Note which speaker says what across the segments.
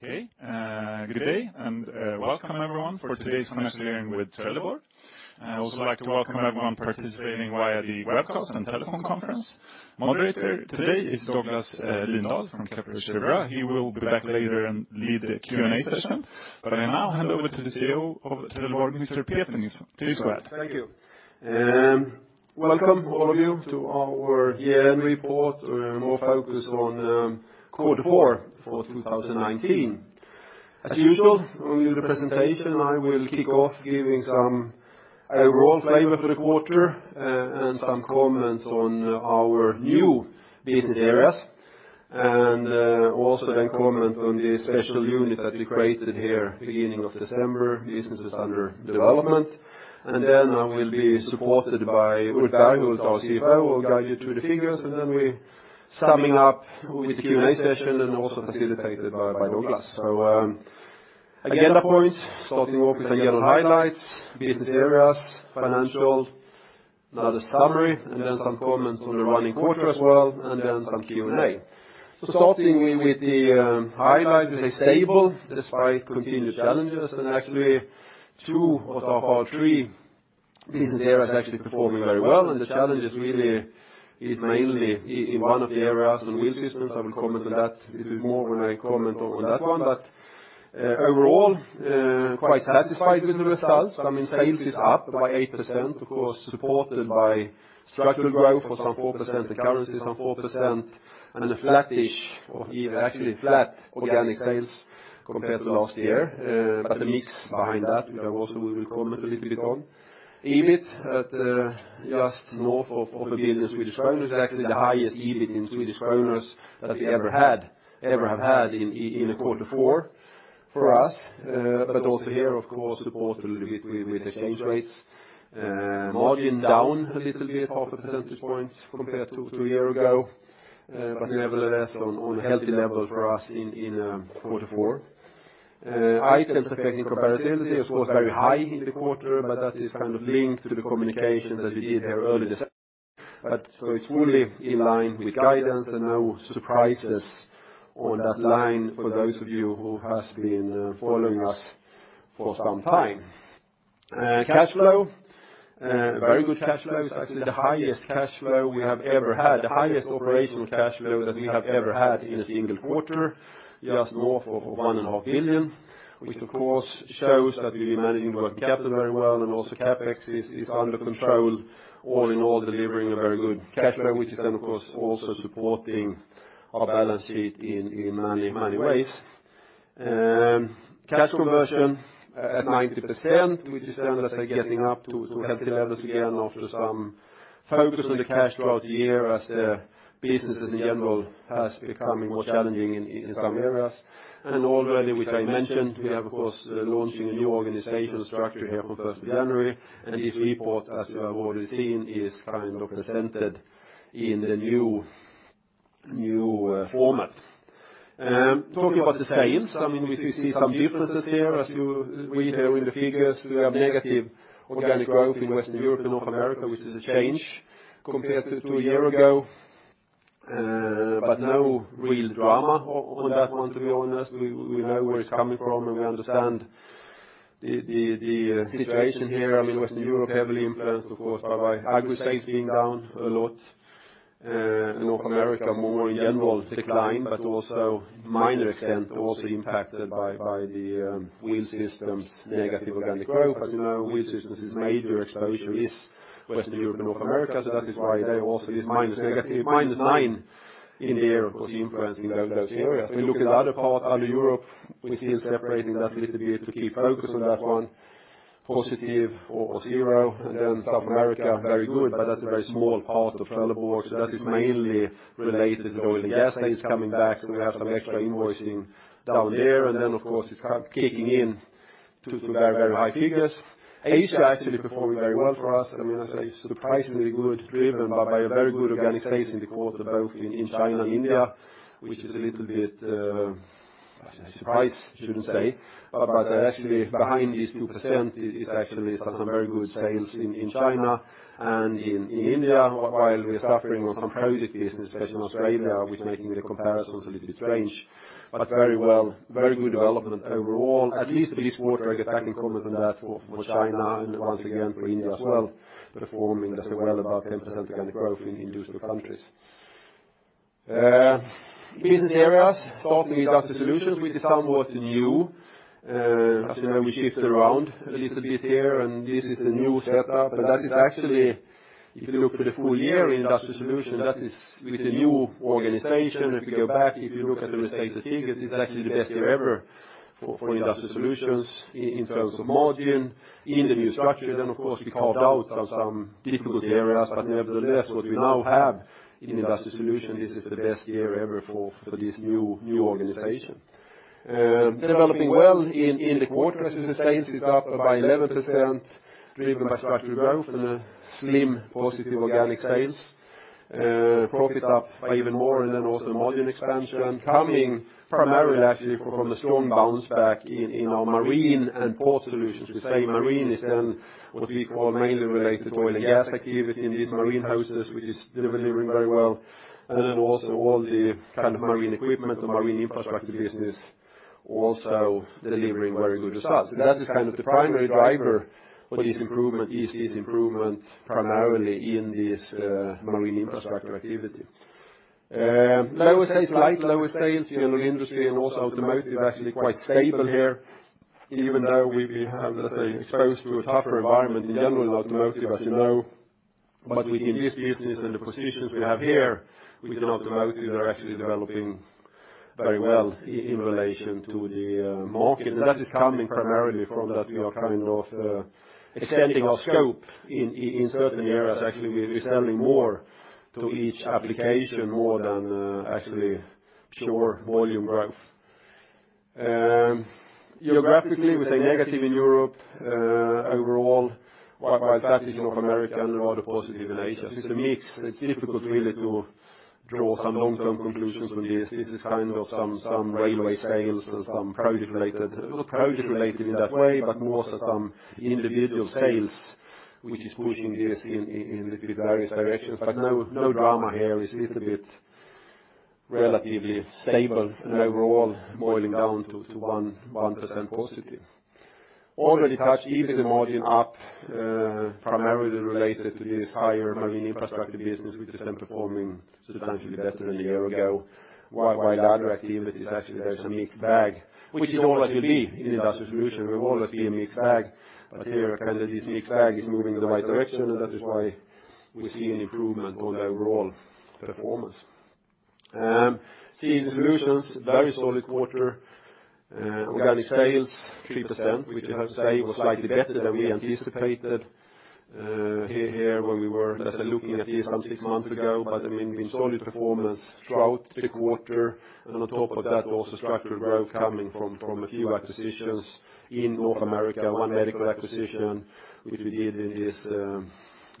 Speaker 1: Okay. Good day and welcome everyone for today's financial hearing with Trelleborg. I'd also like to welcome everyone participating via the webcast and telephone conference. Moderator today is Douglas Lindahl from Kepler Cheuvreux. He will be back later and lead the Q&A session. I now hand over to the CEO of Trelleborg, Mr. Peter Nilsson. Please go ahead.
Speaker 2: Thank you. Welcome all of you to our year-end report. We're more focused on Q4 for 2019. As usual, we'll do the presentation, and I will kick off giving some overall flavor to the quarter, and some comments on our new business areas. Also then comment on the special unit that we created here beginning of December, Businesses under Development. Then I will be supported by Ulf Berghult, who is our CFO, who will guide you through the figures. Then we're summing up with the Q&A session and also facilitated by Douglas. Agenda points, starting off with the general highlights, business areas, financial, then the summary, and then some comments on the running quarter as well, and then some Q&A. Starting with the highlights, stable despite continued challenges, and actually two out of our three Business Areas are actually performing very well, and the challenge is mainly in one of the areas on Wheel Systems. I will comment on that a bit more when I comment on that one. Overall, quite satisfied with the results. Sales is up by 8%, of course, supported by structural growth of some 4%, the currency some 4%, and a flattish or actually flat organic sales compared to last year. The mix behind that, which I also will comment a little bit on. EBIT at just north of SEK 1 billion is actually the highest EBIT in Swedish kronor that we ever have had in a quarter four for us. Also here, of course, supported a little bit with exchange rates. Margin down a little bit, half a percentage point compared to a year ago. Nevertheless, on healthy levels for us in Q4. Items affecting comparability, of course, very high in the quarter, but that is kind of linked to the communications that we did here early December. It's fully in line with guidance and no surprises on that line for those of you who have been following us for some time. Cash flow. Very good cash flow is actually the highest cash flow we have ever had, the highest operational cash flow that we have ever had in a single quarter, just north of one and a half billion, which of course shows that we've been managing working capital very well and also CapEx is under control, all in all delivering a very good cash flow, which is then of course also supporting our balance sheet in many ways. Cash conversion at 90%, which is then let's say getting up to healthy levels again after some focus on the cash throughout the year as the businesses in general has become more challenging in some areas. Already, which I mentioned, we are of course launching a new organizational structure here on the 1st of January. This report, as you have already seen, is kind of presented in the new format. Talking about the sales, we see some differences here as you read here in the figures. We have negative organic growth in Western Europe and North America, which is a change compared to a year ago. No real drama on that one, to be honest. We know where it's coming from, and we understand the situation here. Western Europe heavily influenced, of course, by agri sales being down a lot. North America, more in general decline, but also minor extent also impacted by the Wheel Systems' negative organic growth. As you know, Wheel Systems' major exposure is Western Europe and North America. That is why there also this minus nine in there, of course, influencing those areas. If we look at the other parts, other Europe, we're still separating that little bit to keep focus on that one. Positive or zero. Then South America, very good, but that's a very small part of Trelleborg, so that is mainly related to oil and gas sales coming back. So we have some extra invoicing down there. Then, of course, it's kind of kicking in to very high figures. Asia actually performing very well for us. Surprisingly good, driven by a very good organic sales in the quarter, both in China and India, which is a little bit surprise, I shouldn't say. Actually behind these 2% is actually some very good sales in China and in India, while we're suffering on some project business, especially in Australia, which making the comparisons a little bit strange. Very good development overall. At least this quarter. I get back and comment on that for China and once again for India as well, performing, well, about 10% organic growth in those two countries. Business areas. Starting Trelleborg Industrial Solutions, which is somewhat new. As you know, we shifted around a little bit here, this is the new setup. That is actually, if you look for the full year in Trelleborg Industrial Solutions, that is with the new organization. If you go back, if you look at the stated figures, this is actually the best year ever for Trelleborg Industrial Solutions in terms of margin in the new structure. Of course, we carved out some difficult areas, but nevertheless, what we now have in Trelleborg Industrial Solutions, this is the best year ever for this new organization. Developing well in the quarter as you would say. It's up by 11%, driven by structural growth and a slim positive organic sales. Profit up by even more, also margin expansion coming primarily, actually, from a strong bounce back in our marine and port solutions. We say marine is what we call mainly related to oil and gas activity in these marine houses, which is delivering very well. Also all the kind of marine equipment and marine infrastructure business also delivering very good results. That is the primary driver for this improvement, is improvement primarily in this marine infrastructure activity. Lower sales, general industry, also automotive actually quite stable here, even though we have, let's say, exposed to a tougher environment in general in automotive, as you know. Within this business and the positions we have here with the automotive are actually developing very well in relation to the market. That is coming primarily from that we are extending our scope in certain areas. Actually, we are selling more to each application more than actually pure volume growth. Geographically, we say negative in Europe overall, while that is North America and rather positive in Asia. It's a mix. It's difficult really to draw some long-term conclusions on this. This is some railway sales and some project-related. Well, project-related in that way, but more so some individual sales, which is pushing this in the various directions. No drama here. It's little bit relatively stable and overall boiling down to 1% positive. Already touched EBIT and margin up, primarily related to this higher marine infrastructure business, which has been performing substantially better than a year ago. While the other activities, actually there's a mixed bag. Which it always will be in Industrial Solutions. Will always be a mixed bag, here, this mixed bag is moving in the right direction, that is why we see an improvement on the overall performance. Sealing Solutions, very solid quarter. Organic sales 3%, which I have to say was slightly better than we anticipated here when we were, let's say, looking at this some six months ago. I mean, been solid performance throughout the quarter and on top of that, also structural growth coming from a few acquisitions in North America. One medical acquisition, which we did in this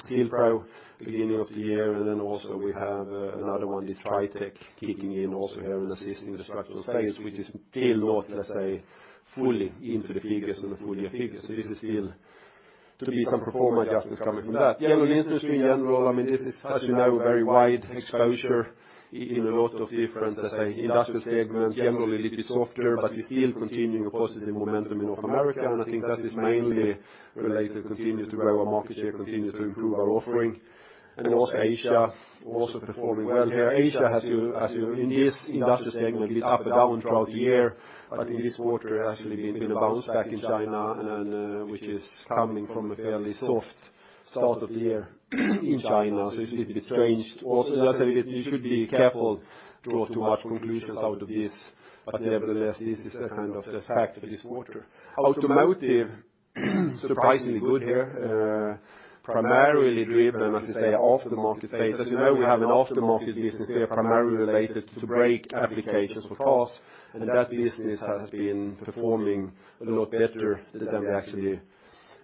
Speaker 2: Sil-Pro beginning of the year. Then also we have another one, this Tritec kicking in also here and assisting the structural sales, which is still not, let's say, fully into the figures and the full year figures. This is still to be some performance just coming from that. General industry in general, I mean, this is, as you know, very wide exposure in a lot of different, let's say, industrial segments, generally little bit softer, but we still continuing a positive momentum in North America. I think that is mainly related to continue to grow our market share, continue to improve our offering. Also Asia also performing well here. Asia as you know in this industrial segment, a bit up and down throughout the year, but in this quarter actually been a bounce back in China and which is coming from a fairly soft start of the year in China. It's a bit strange. Let's say that you should be careful draw too much conclusions out of this, but nevertheless, this is the kind of the fact of this quarter. Automotive, surprisingly good here. Primarily driven, as you say, after-market space. As you know, we have an after-market business here, primarily related to brake applications for cars. That business has been performing a lot better than we actually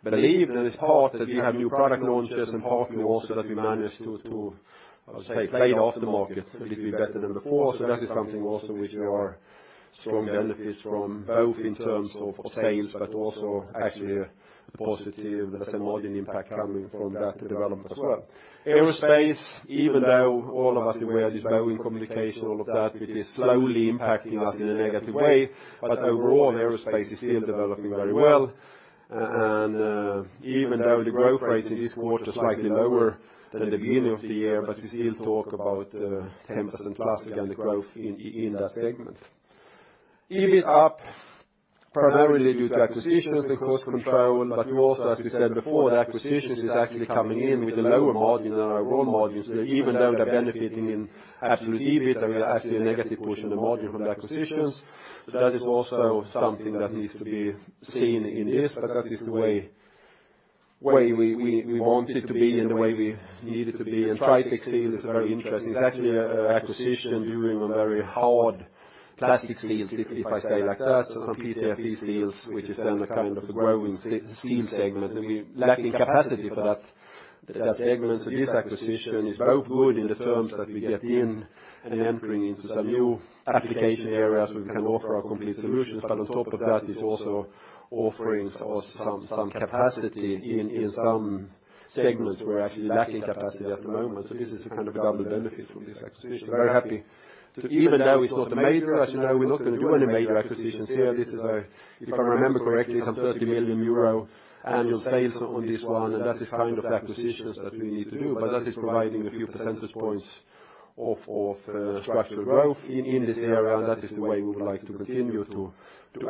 Speaker 2: believe. It is part that we have new product launches and partly also that we managed to, I would say, play after market a little bit better than before. That is something also which we are strong benefits from, both in terms of sales but also actually a positive margin impact coming from that development as well. Aerospace, even though all of us are aware this Boeing communication, all of that, which is slowly impacting us in a negative way. Overall, aerospace is still developing very well. Even though the growth rate in this quarter slightly lower than the beginning of the year, but we still talk about 10% plus organic growth in that segment. EBIT up primarily due to acquisitions and cost control. We also, as we said before, the acquisitions is actually coming in with a lower margin than our own margins. Even though they're benefiting in absolute EBIT, there will actually a negative push in the margin from the acquisitions. That is also something that needs to be seen in this, but that is the way we want it to be and the way we need it to be. Tritec Seal is very interesting. It's actually acquisition doing a very hard plastic seals, if I say like that. Some PTFE seals, which is then a kind of the growing seal segment, and we lacking capacity for that segment. This acquisition is both good in the terms that we get in and entering into some new application areas where we can offer our complete solutions. On top of that is also offering us some capacity in some segments we're actually lacking capacity at the moment. This is a kind of a double benefit from this acquisition. Very happy. Even though it's not a major, as you know, we're not going to do any major acquisitions here. This is a, if I remember correctly, some 30 million euro annual sales on this one. That is kind of the acquisitions that we need to do. That is providing a few percentage points of structural growth in this area. That is the way we would like to continue to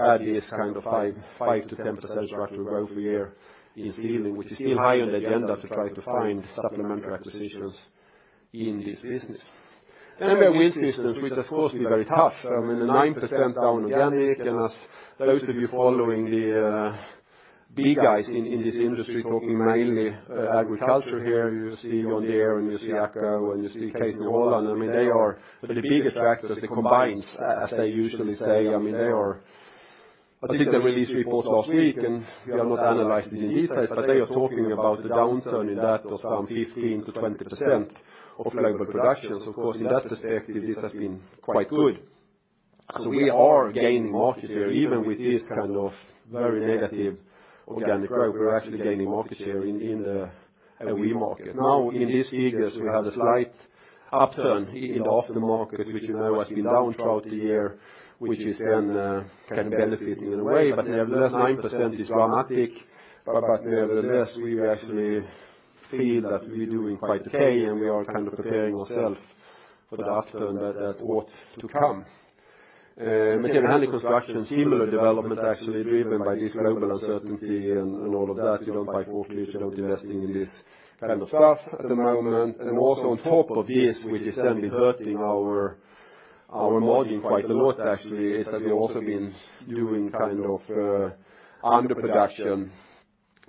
Speaker 2: add this kind of 5%-10% structural growth a year in seal, which is still high on the agenda to try to find supplementary acquisitions in this business. Trelleborg Wheel Systems, which of course, been very tough. I mean, the 9% down organic and as those of you following the big guys in this industry talking mainly agriculture here, you see John Deere and you see AGCO and you see Case New Holland. I mean, they are the biggest tractors, the combines, as they usually say. I mean, I think they released reports last week, and we have not analyzed it in details, but they are talking about a downturn in that of some 15%-20% of global production. Of course, in that perspective, this has been quite good. We are gaining market share even with this kind of very negative organic growth. We're actually gaining market share in the-And we market. Now in these figures, we have a slight upturn in the aftermarket, which has been down throughout the year, which is then benefiting in a way. Nevertheless, 9% is dramatic. Nevertheless, we actually feel that we're doing quite okay, and we are preparing ourselves for the upturn that ought to come. Mechanical construction, similar development actually driven by this global uncertainty and all of that. You don't buy portfolios, you don't invest in this kind of stuff at the moment. Also on top of this, which has then been hurting our margin quite a lot actually, is that we've also been doing underproduction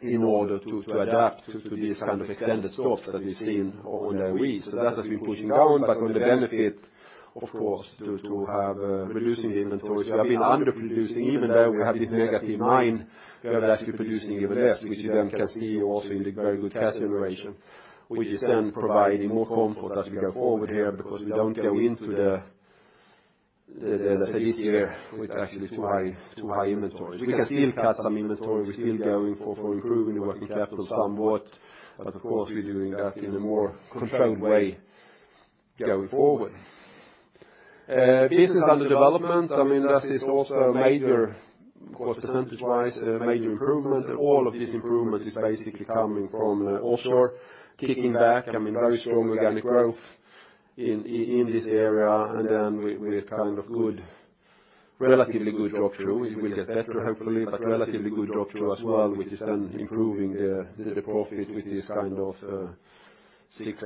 Speaker 2: in order to adapt to this extended stop that we've seen on W.E. That has been pushing down. On the benefit, of course, due to have reducing the inventories. We have been underproducing even there, we have this negative nine. We are actually producing even less, which you then can see also in the very good cash generation, which is then providing more comfort as we go forward here because we don't go into this year with actually too high inventories. We can still cut some inventory. We're still going for improving working capital somewhat. Of course, we're doing that in a more controlled way going forward. Business under development. That is also a major percentage-wise improvement. All of this improvement is basically coming from offshore kicking back. Very strong organic growth in this area, and then with relatively good drop-through. It will get better, hopefully, but relatively good drop-through as well, which is then improving the profit with this 6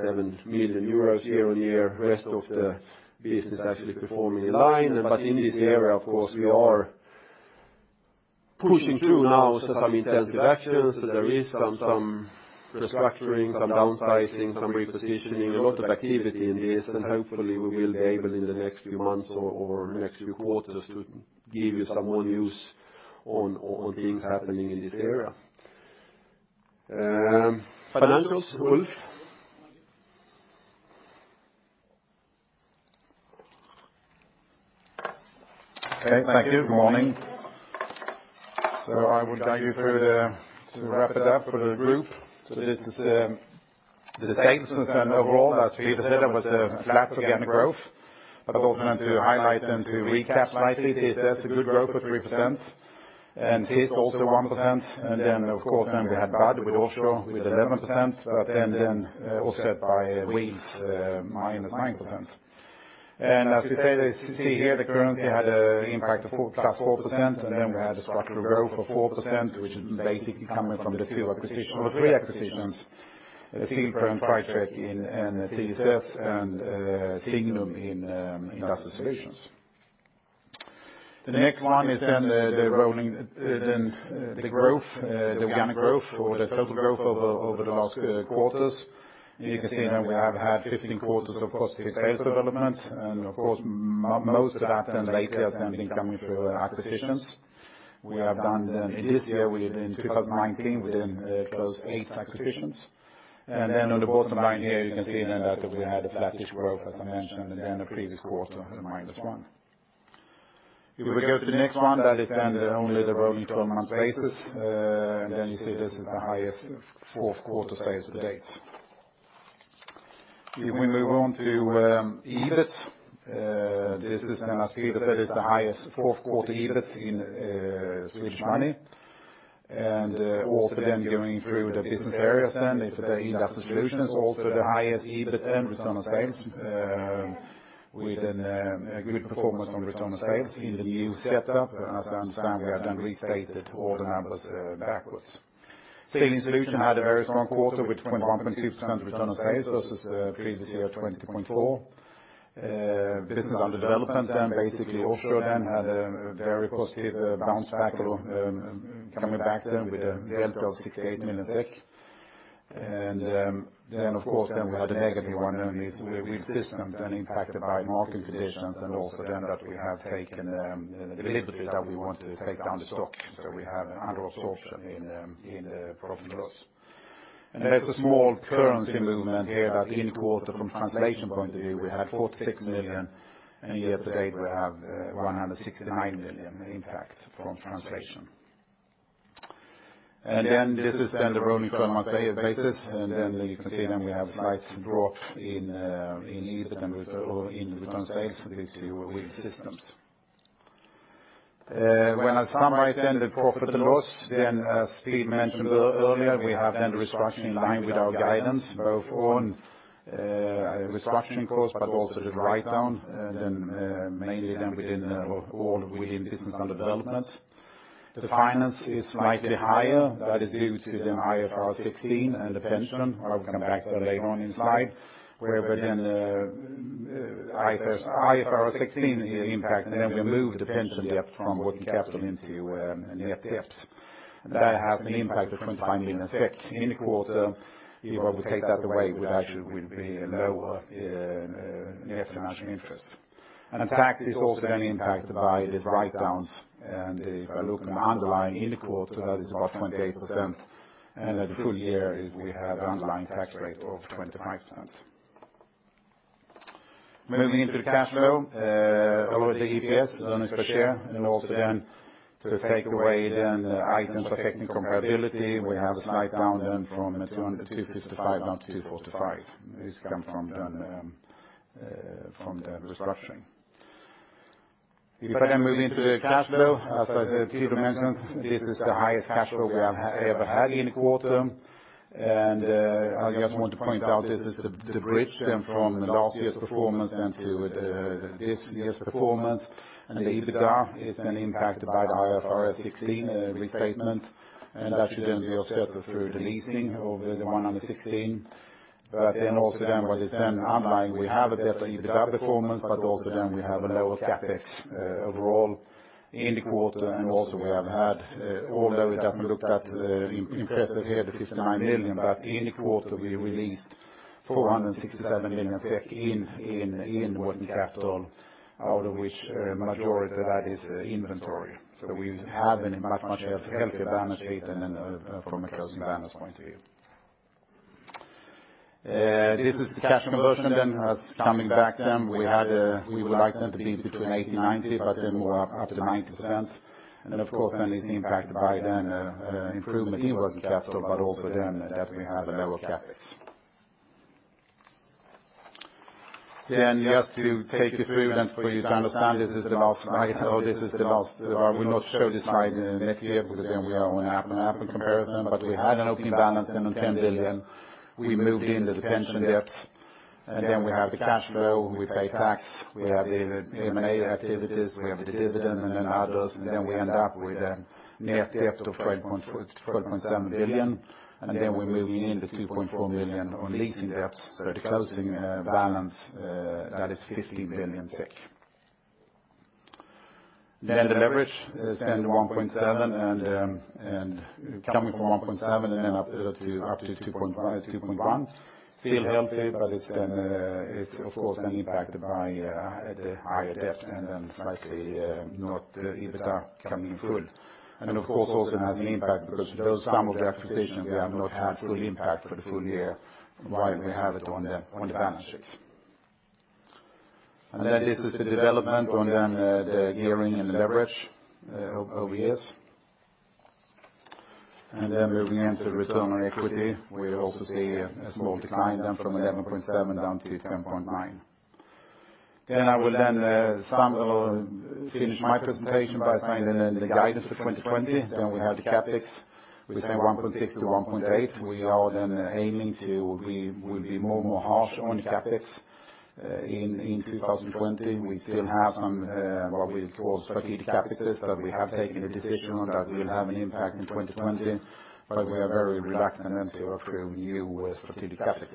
Speaker 2: million-7 million euros year-on-year. Rest of the business actually performing in line. In this area, of course, we are pushing through now some intensive actions. There is some restructuring, some downsizing, some repositioning, a lot of activity in this. Hopefully we will be able in the next few months or next few quarters to give you some more news on things happening in this area. Financials, Ulf.
Speaker 3: Okay. Thank you. Good morning. I will guide you through to wrap it up for the group. Overall, as Pete said, it was a flat organic growth. Also then to highlight and to recap slightly, TSS a good growth of 3% and TIS also 1%. Then, of course, then we had bad with offshore with 11%, but then offset by WE's minus 9%. As you see here, the currency had an impact of plus 4%. Then we had a structural growth of 4%, which is basically coming from the two acquisitions or three acquisitions, Seal and Sidetrack in TSS and Signum in Industrial Solutions. The next one is then the growth, the organic growth or the total growth over the last quarters. You can see now we have had 15 quarters of positive sales development and of course, most of that lately has been coming through acquisitions. We did in 2019, we closed eight acquisitions. On the bottom line here, you can see that we had a flattish growth as I mentioned, and the previous quarter a minus one. If we go to the next one, that is only the rolling 12 months basis. You see this is the highest fourth quarter sales to date. If we move on to EBIT. This is, as Peter said, is the highest Q4 EBIT in SEK. Going through the business areas into the Industrial Solutions, also the highest EBIT and return on sales within a good performance on return on sales in the new setup. As I understand, we have restated all the numbers backwards. Sealing Solutions had a very strong quarter with 21.2% return on sales versus previous year, 20.4%. Business under development basically offshore had a very positive bounce back coming back with a delta of 68 million SEK. Of course, we had a negative one only with Wheel Systems impacted by market conditions and also that we have taken deliberately that we want to take down the stock. We have under absorption in the profit and loss. There's a small currency movement here that in quarter from translation point of view, we had 46 million, and year to date we have 169 million impact from translation. This is then the rolling 12 months basis. You can see then we have slight drop in EBIT and return on sales, basically with systems. When I summarize then the profit and loss then as Pete mentioned earlier, we have then the restructuring in line with our guidance both on restructuring cost but also the write-down. Mainly then within business under development. The finance is slightly higher. That is due to the IFRS 16 and the pension. I will come back to that later on in slide, where within IFRS 16 impact we move the pension debt from working capital into net debt. That has an impact of 25 million SEK in the quarter. If I would take that away, we'd actually be lower net financial interest. Tax is also then impacted by these write-downs and if I look underlying in the quarter, that is about 28%. The full year is we have underlying tax rate of 25%. Moving into the cash flow. A lot of the EPS, earnings per share, and also to take away the items affecting comparability. We have a slight down from 255 down to 245. This come from the restructuring. If I then move into the cash flow, as Peter mentioned, this is the highest cash flow we have ever had in a quarter. I just want to point out this is the bridge then from last year's performance then to this year's performance. The EBITDA is then impacted by the IFRS 16 restatement and that should then be offset through the leasing of the IFRS 16. Also what is then underlying, we have a better EBITDA performance, but also then we have a lower CapEx overall in the quarter and also we have had, although it doesn't look that impressive here, the 59 million, but in the quarter we released 467 million SEK in working capital, out of which majority of that is inventory. We have a much healthier balance sheet from a closing balance point of view. This is the cash conversion then that's coming back then. We would like them to be between 80% and 90%, but then we're up to 90%. Of course, then it's impacted by then improvement in working capital, but also then that we have a lower CapEx. Just to take you through then for you to understand this is the last slide. We not show this slide next year because then we are on an apple comparison. We had an opening balance then of 10 billion. We moved in the pension debt. We have the cash flow, we pay tax, we have the M&A activities, we have the dividend, and then others, and then we end up with a net debt of 12.7 billion. We're moving in the 2.4 million on leasing debts. The closing balance, that is 15 billion. The leverage is then 1.7 and coming from 1.7 and then up to 2.1. Still healthy. It's of course then impacted by the higher debt and then slightly not EBITDA coming in full. Of course, also it has an impact because those some of the acquisitions we have not had full impact for the full year while we have it on the balance sheets. This is the development on the gearing and the leverage over years. Moving into return on equity. We also see a small decline from 11.7 down to 10.9. I will finish my presentation by signing the guidance for 2020. We have the CapEx. We say 1.6 to 1.8. We are aiming to be more and more harsh on CapEx. In 2020, we still have some, what we call strategic CapEx that we have taken a decision on that will have an impact in 2020. We are very reluctant to approve new strategic CapEx.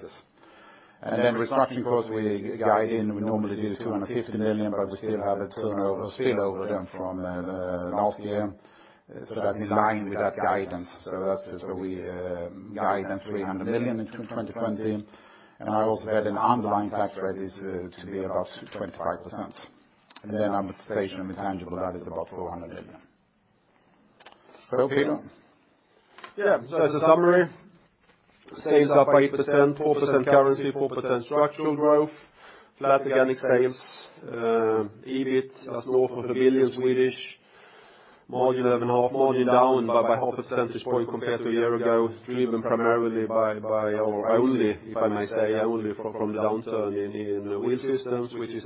Speaker 3: Then restructuring costs we guide in, we normally do the 250 million, but we still have a spillover then from last year. That's in line with that guidance. We guide then 300 million in 2020. I also had an underlying tax rate to be about 25%. Then amortization and intangible, that is about 400 million. Peter.
Speaker 2: Yeah, as a summary, sales up by 8%, 4% currency, 4% structural growth. Flat organic sales. EBIT, that's north of 1 billion. Margin down by half a percentage point compared to a year ago, driven primarily by, or only, if I may say, only from downturn in Trelleborg Wheel Systems, which is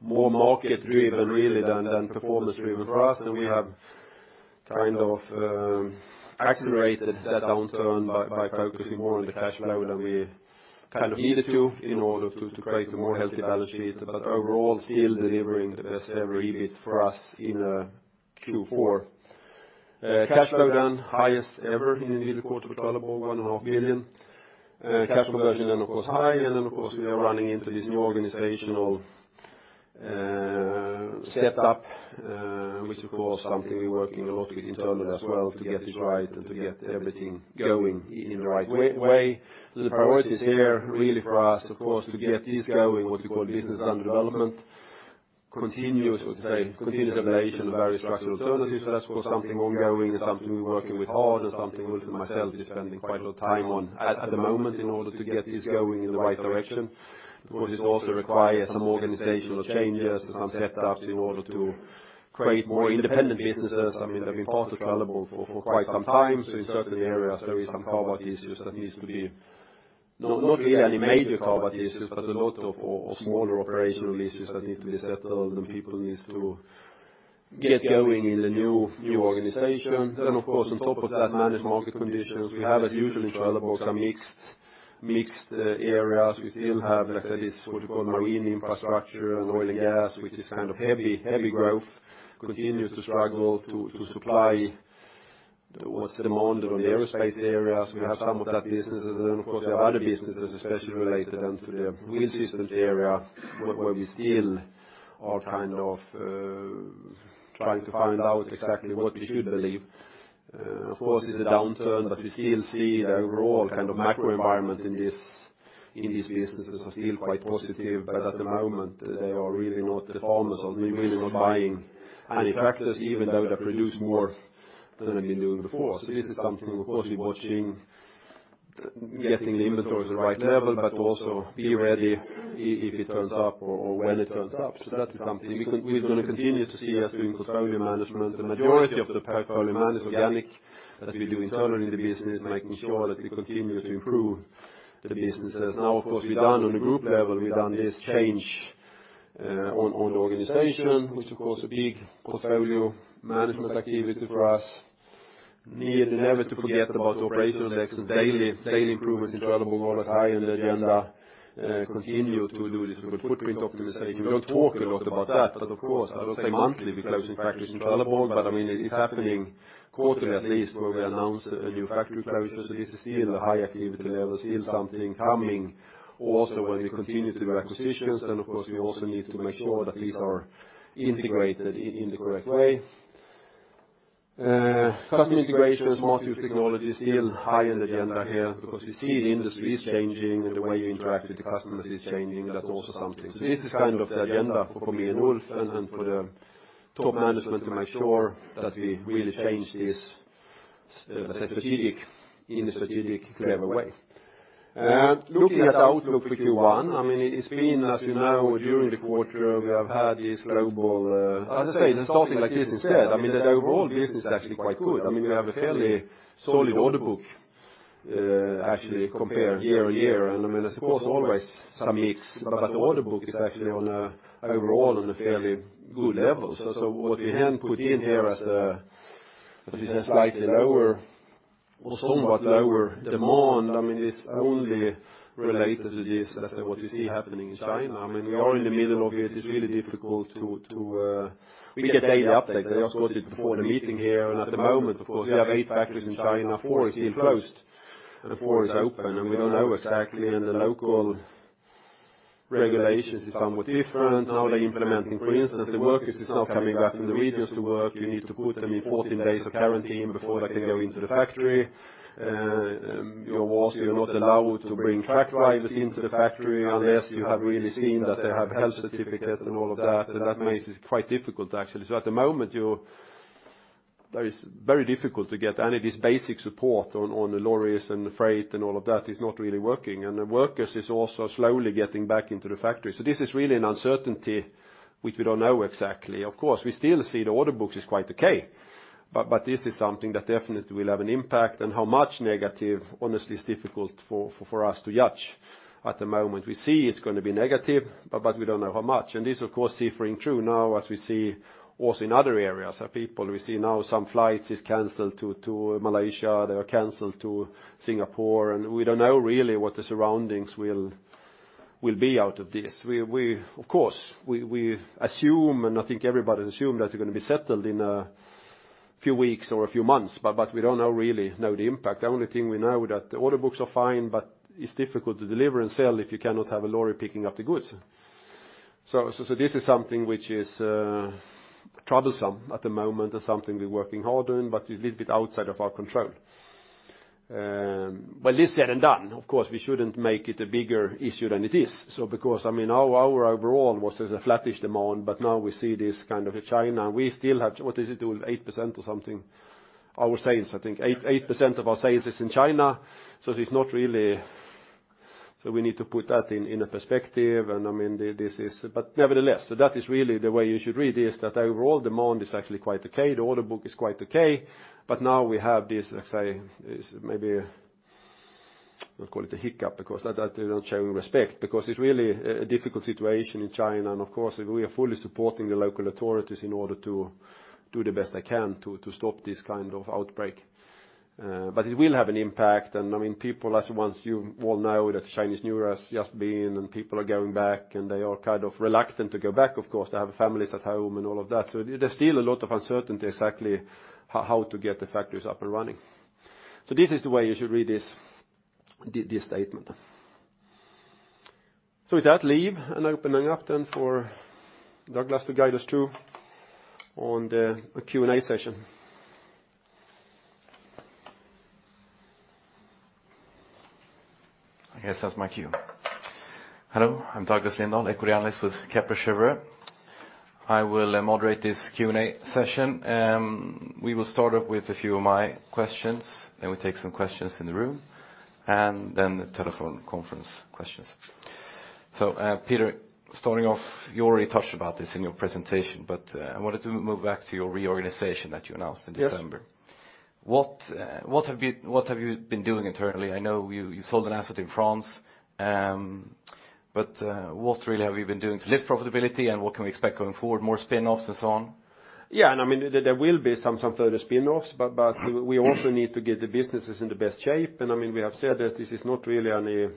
Speaker 2: more market-driven really than performance-driven for us. We have kind of accelerated that downturn by focusing more on the cash flow than we kind of needed to in order to create a more healthy balance sheet. Overall still delivering the best ever EBIT for us in a Q4. Cash flow highest ever in the quarter of Trelleborg, SEK 1.5 billion. Cash flow version of course high. Of course, we are running into this new organizational setup, which of course something we're working a lot with internally as well to get this right and to get everything going in the right way. The priorities here really for us, of course, to get this going, what you call business under development. Continuous, I would say, continuous evaluation of various structural alternatives. That's of course something ongoing and something we're working with hard and something Ulf and myself is spending quite a lot of time on at the moment in order to get this going in the right direction. It also requires some organizational changes and some setups in order to create more independent businesses. I mean, they've been part of Trelleborg for quite some time. In certain areas, there is some CapEx issues. Not really any major CapEx issues, but a lot of smaller operational issues that need to be settled, and people needs to get going in the new organization. Of course on top of that managed market conditions. We have as usual in Trelleborg some mixed areas. We still have, like I said, this so-called marine infrastructure and oil and gas, which is kind of heavy growth. We continue to struggle to supply what's demanded on the aerospace areas. We have some of that businesses. Of course we have other businesses, especially related then to the Wheel Systems area where we still are kind of trying to find out exactly what we should believe. Of course, it's a downturn, but we still see the overall kind of macro environment in these businesses are still quite positive. At the moment they are really not performers or really not buying any tractors even though they produce more than they've been doing before. This is something of course we're watching. Getting the inventory at the right level, but also be ready if it turns up or when it turns up. That is something we're going to continue to see as doing portfolio management. The majority of the portfolio management organic that we do internally in the business, making sure that we continue to improve the businesses. Now, of course, on the group level, we've done this change on the organization, which of course a big portfolio management activity for us. We need never to forget about operational excellence. Daily improvement is critical, always high on the agenda. Continue to do this with footprint optimization. We don't talk a lot about that, of course, I don't say monthly we're closing factories in Trelleborg, it is happening quarterly at least, where we announce new factory closures. This is still a high activity level, still something coming. Also, when we continue to do acquisitions, of course, we also need to make sure that these are integrated in the correct way. Customer integration, smart use technology, still high on the agenda here because we see the industry is changing and the way you interact with the customers is changing. That's also something. This is kind of the agenda for me and Ulf and for the top management to make sure that we really change this in a strategic, clever way. Looking at the outlook for Q1, it's been, as you know, during the quarter, we have had this global I'll just say, let's start it like this instead. I mean, the overall business is actually quite good. I mean, we have a fairly solid order book actually compared year-on-year. I mean, of course, always some mix, but the order book is actually on a overall on a fairly good level. What we then put in here as a slightly lower or somewhat lower demand, is only related to this, let's say, what you see happening in China. I mean, we are in the middle of it. We get daily updates. I just got it before the meeting here. At the moment, of course, we have eight factories in China. Four is still closed and four is open, we don't know exactly. The local regulations is somewhat different. How they're implementing, for instance, the workers is now coming back from the regions to work. You need to put them in 14 days of quarantine before they can go into the factory. You're also not allowed to bring truck drivers into the factory unless you have really seen that they have health certificates and all of that. That makes it quite difficult, actually. At the moment, that is very difficult to get any of this basic support on the lorries and the freight and all of that. It's not really working. The workers is also slowly getting back into the factory. This is really an uncertainty which we don't know exactly. Of course, we still see the order book is quite okay. This is something that definitely will have an impact. How much negative, honestly, is difficult for us to judge at the moment. We see it's going to be negative, but we don't know how much. This, of course, filtering through now as we see also in other areas. We see now some flights is canceled to Malaysia. They are canceled to Singapore and we don't know really what the surroundings will be out of this. We assume, and I think everybody assumes that it's going to be settled in a few weeks or a few months, but we don't know really know the impact. The only thing we know that the order books are fine, but it's difficult to deliver and sell if you cannot have a lorry picking up the goods. This is something which is troublesome at the moment or something we're working hard on, but is a little bit outside of our control. This said and done, of course, we shouldn't make it a bigger issue than it is. Because our overall was as a flattish demand, but now we see this kind of a China, we still have, what is it, Ulf? 8% or something? Our sales, I think 8% of our sales is in China. We need to put that in a perspective. Nevertheless, that is really the way you should read this, that overall demand is actually quite okay. The order book is quite okay. Now we have this, let's say, maybe we'll call it a hiccup because that is not showing respect, because it's really a difficult situation in China. Of course, we are fully supporting the local authorities in order to do the best they can to stop this kind of outbreak. It will have an impact. People, as ones you all know that Chinese New Year has just been and people are going back and they are kind of reluctant to go back, of course. They have families at home and all of that. There's still a lot of uncertainty exactly how to get the factories up and running. This is the way you should read this statement. With that, leave and opening up then for Douglas to guide us to on the Q&A session.
Speaker 4: I guess that's my cue. Hello, I'm Douglas Lindahl, equity analyst with Kepler Cheuvreux. I will moderate this Q&A session. We will start off with a few of my questions, then we'll take some questions in the room and then the telephone conference questions. Peter, starting off, you already touched about this in your presentation, but I wanted to move back to your reorganization that you announced in December.
Speaker 2: Yes.
Speaker 4: What have you been doing internally? I know you sold an asset in France. What really have you been doing to lift profitability and what can we expect going forward, more spinoffs and so on?
Speaker 2: There will be some further spinoffs, we also need to get the businesses in the best shape. We have said that this is not really any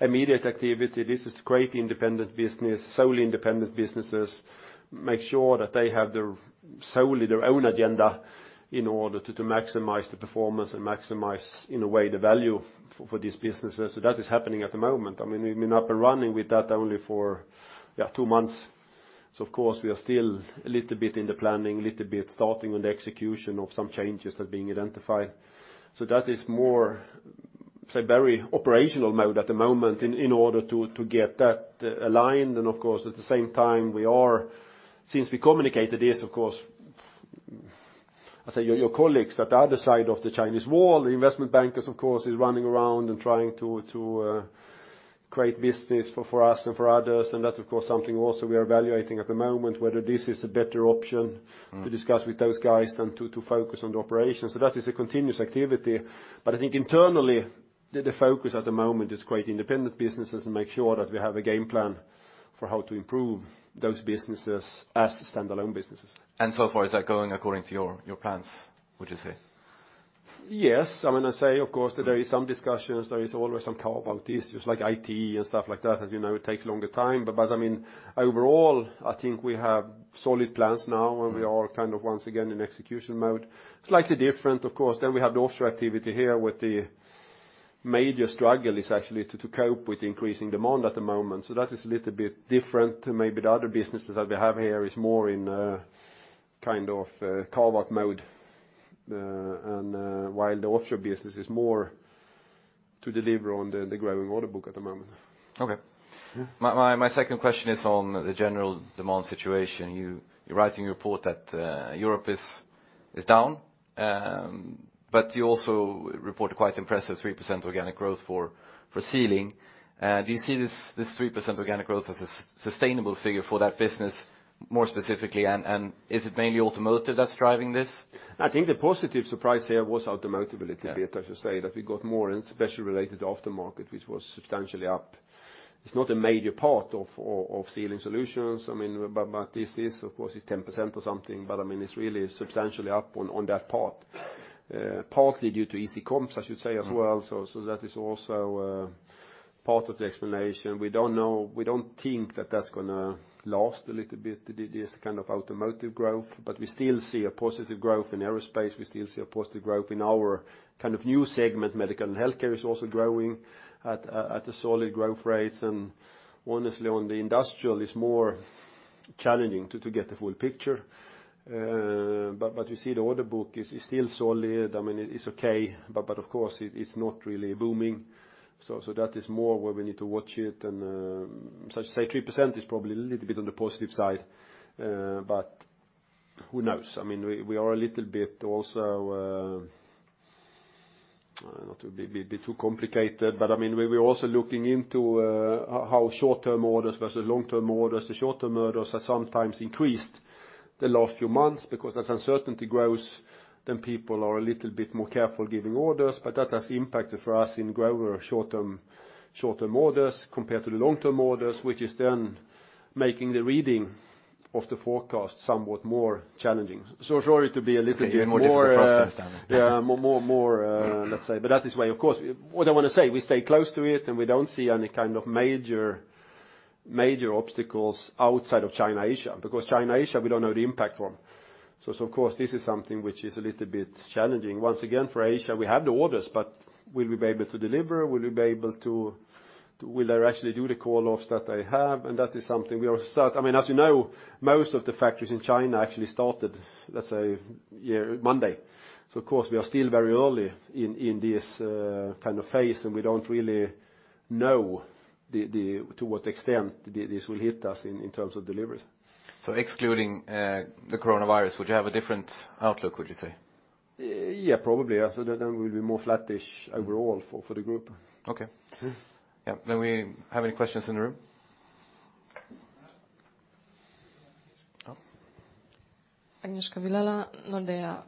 Speaker 2: immediate activity. This is to create independent business, solely independent businesses, make sure that they have solely their own agenda in order to maximize the performance and maximize, in a way, the value for these businesses. That is happening at the moment. We've been up and running with that only for two months. Of course, we are still a little bit in the planning, little bit starting on the execution of some changes that are being identified. That is more, say, very operational mode at the moment in order to get that aligned. Of course, at the same time, since we communicated this, of course, I say your colleagues at the other side of the Chinese wall, the investment bankers, of course, is running around and trying to create business for us and for others. That's of course something also we are evaluating at the moment, whether this is a better option to discuss with those guys than to focus on the operation. That is a continuous activity. I think internally, the focus at the moment is create independent businesses and make sure that we have a game plan for how to improve those businesses as standalone businesses.
Speaker 4: So far, is that going according to your plans, would you say?
Speaker 2: Yes. I'm going to say, of course, that there is some discussions, there is always some carve-out issues like IT and stuff like that as you know take longer time. Overall, I think we have solid plans now. We are kind of once again in execution mode. Slightly different, of course, than we had the offshore activity here with the major struggle is actually to cope with increasing demand at the moment. That is a little bit different to maybe the other businesses that we have here is more in a kind of carve-out mode. While the offshore business is more to deliver on the growing order book at the moment.
Speaker 4: Okay.
Speaker 2: Yeah.
Speaker 4: My second question is on the general demand situation. You write in your report that Europe is down. You also report a quite impressive 3% organic growth for sealing. Do you see this 3% organic growth as a sustainable figure for that business more specifically? Is it mainly automotive that's driving this?
Speaker 2: I think the positive surprise here was automotive a little bit.
Speaker 4: Yeah.
Speaker 2: I should say that we got more and especially related to aftermarket, which was substantially up. It's not a major part of Sealing Solutions. This is, of course, it's 10% or something, but it's really substantially up on that part. Partly due to easy comps, I should say as well. That is also part of the explanation. We don't think that that's going to last a little bit, this kind of automotive growth, but we still see a positive growth in aerospace. We still see a positive growth in our kind of new segment, medical and healthcare is also growing at a solid growth rates. Honestly, on the industrial, it's more challenging to get the full picture. We see the order book is still solid. It's okay. Of course, it is not really booming. That is more where we need to watch it and so to say 3% is probably a little bit on the positive side. Who knows? We are a little bit also, not to be too complicated, but we're also looking into how short-term orders versus long-term orders. The short-term orders have sometimes increased the last few months because as uncertainty grows, then people are a little bit more careful giving orders. That has impacted for us in growing our short-term orders compared to the long-term orders, which is then making the reading of the forecast somewhat more challenging.
Speaker 4: You're more difficult for us to understand then.
Speaker 2: Yeah, more, let's say. That is why, of course, what I want to say, we stay close to it, and we don't see any kind of major obstacles outside of China, Asia. China, Asia, we don't know the impact from. Of course, this is something which is a little bit challenging. Once again, for Asia, we have the orders, but will we be able to deliver? Will they actually do the call-offs that they have? As you know, most of the factories in China actually started, let's say, Monday. Of course, we are still very early in this kind of phase, and we don't really know to what extent this will hit us in terms of deliveries.
Speaker 4: Excluding the coronavirus, would you have a different outlook, would you say?
Speaker 2: Yeah, probably. We'll be more flattish overall for the group.
Speaker 4: Okay.
Speaker 2: Yeah.
Speaker 4: Yeah. We have any questions in the room? Oh.
Speaker 5: Agnieszka Vilela, Nordea.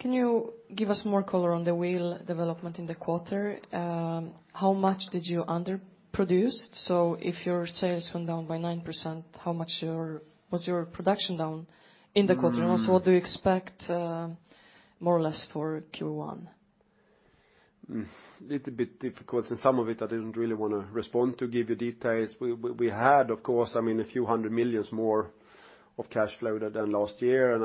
Speaker 5: Can you give us more color on the wheel development in the quarter? How much did you underproduce? If your sales went down by 9%, how much was your production down in the quarter? Also, what do you expect more or less for Q1?
Speaker 2: Little bit difficult and some of it I didn't really want to respond to give you details. We had, of course, a few hundred million more of cash flow than last year.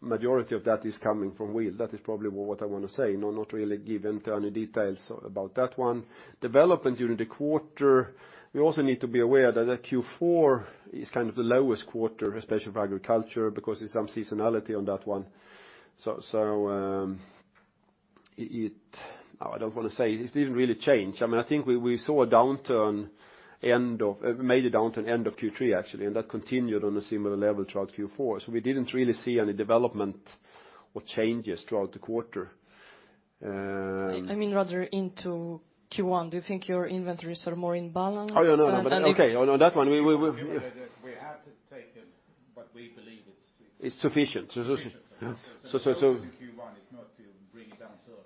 Speaker 2: Majority of that is coming from Wheel. That is probably what I want to say. No, not really give into any details about that one. Development during the quarter, we also need to be aware that Q4 is kind of the lowest quarter, especially for agriculture, because there's some seasonality on that one. I don't want to say it didn't really change. I think we saw a major downturn end of Q3 actually, and that continued on a similar level throughout Q4. We didn't really see any development or changes throughout the quarter.
Speaker 5: I mean, rather into Q1. Do you think your inventories are more in balance?
Speaker 2: Oh, no, okay. On that one,
Speaker 3: We have to take it, but we believe.
Speaker 2: It's sufficient.
Speaker 3: sufficient.
Speaker 2: Yeah.
Speaker 3: The focus in Q1 is not to bring it down further.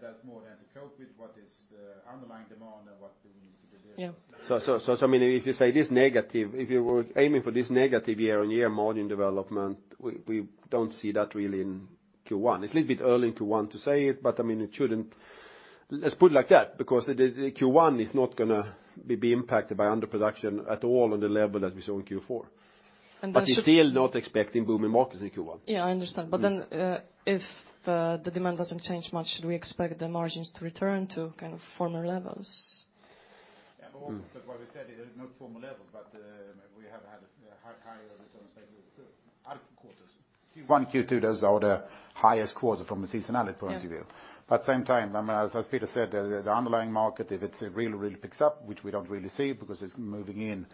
Speaker 3: That's more than to cope with what is the underlying demand and what we need to deliver.
Speaker 5: Yeah.
Speaker 2: If you say this negative, if you were aiming for this negative year-on-year margin development, we don't see that really in Q1. It's a little bit early in Q1 to say it, but Let's put it like that, because the Q1 is not going to be impacted by underproduction at all on the level that we saw in Q4.
Speaker 5: And that's-
Speaker 2: We're still not expecting booming markets in Q1.
Speaker 5: Yeah, I understand. If the demand doesn't change much, should we expect the margins to return to kind of former levels?
Speaker 3: Yeah, what we said, there are no former levels, but we have had higher return on, say, quarters. Q1, Q2, those are the highest quarter from a seasonality point of view. Yeah. Same time, as Peter said, the underlying market, if it's really picks up, which we don't really see because it's moving in,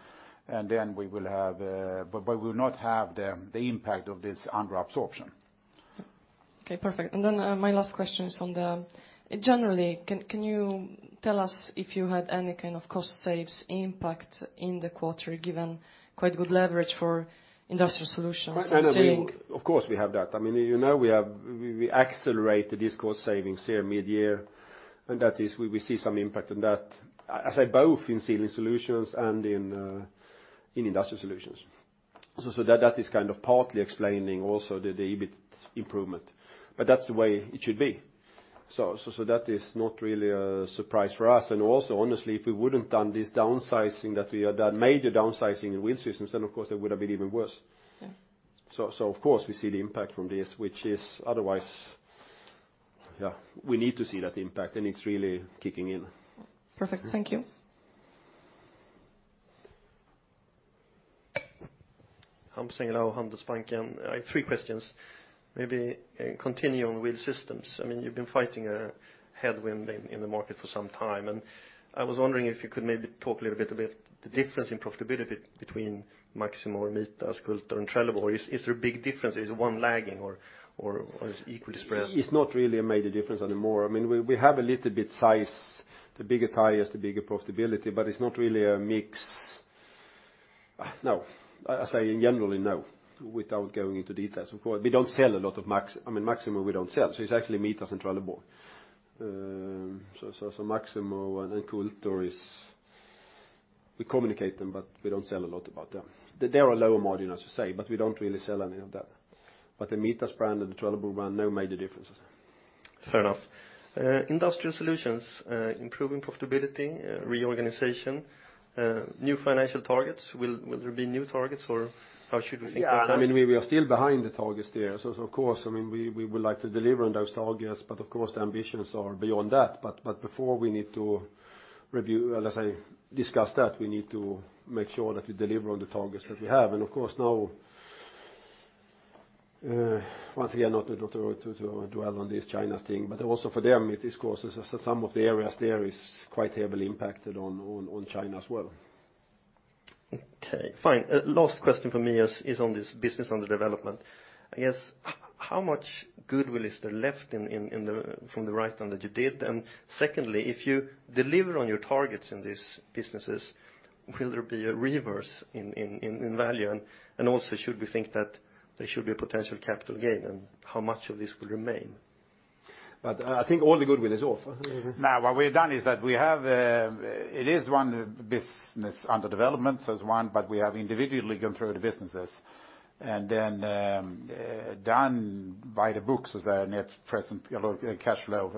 Speaker 3: we will not have the impact of this under absorption.
Speaker 5: Okay, perfect. My last question is on the Generally, can you tell us if you had any kind of cost saves impact in the quarter, given quite good leverage for Industrial Solutions?
Speaker 2: Of course, we have that. We accelerated these cost savings here mid-year, and we see some impact on that, I say both in Sealing Solutions and in Industrial Solutions. That is kind of partly explaining also the EBIT improvement. That's the way it should be. That is not really a surprise for us. Also, honestly, if we wouldn't done this downsizing that we had done, major downsizing in Wheel Systems, then of course it would have been even worse.
Speaker 5: Yeah.
Speaker 2: Of course, we see the impact from this. We need to see that impact, and it's really kicking in.
Speaker 5: Perfect. Thank you.
Speaker 6: Hampus Engellau, Handelsbanken. I have three questions. Maybe continue on Wheel Systems. You've been fighting a headwind in the market for some time, I was wondering if you could maybe talk a little bit about the difference in profitability between Maximo and Mitas, Cultor in Trelleborg. Is there a big difference? Is one lagging or it's equally spread?
Speaker 2: It's not really a major difference anymore. We have a little bit size, the bigger tires, the bigger profitability, but it's not really a mix. No. I say generally, no, without going into details. Of course, we don't sell a lot of Maximo. Maximo we don't sell. It's actually Mitas and Trelleborg. Maximo and Cultor is we communicate them, but we don't sell a lot about them. They are a lower margin, as you say, but we don't really sell any of that. The Mitas brand and the Trelleborg brand, no major differences.
Speaker 6: Fair enough. Industrial Solutions, improving profitability, reorganization, new financial targets. Will there be new targets or how should we think about that?
Speaker 2: We are still behind the targets there, of course, we would like to deliver on those targets. Of course, the ambitions are beyond that. Before we need to discuss that, we need to make sure that we deliver on the targets that we have. Of course, now, once again, not to dwell on this China thing, but also for them, it is of course some of the areas there is quite heavily impacted on China as well.
Speaker 6: Okay, fine. Last question from me is on this business under development. I guess, how much goodwill is there left from the writedown that you did? Secondly, if you deliver on your targets in these businesses, will there be a reverse in value? Also should we think that there should be a potential capital gain, and how much of this will remain?
Speaker 2: I think all the goodwill is off.
Speaker 3: No, what we've done is that it is one business under development, so it's one, but we have individually gone through the businesses, done by the books as a net present cash flow,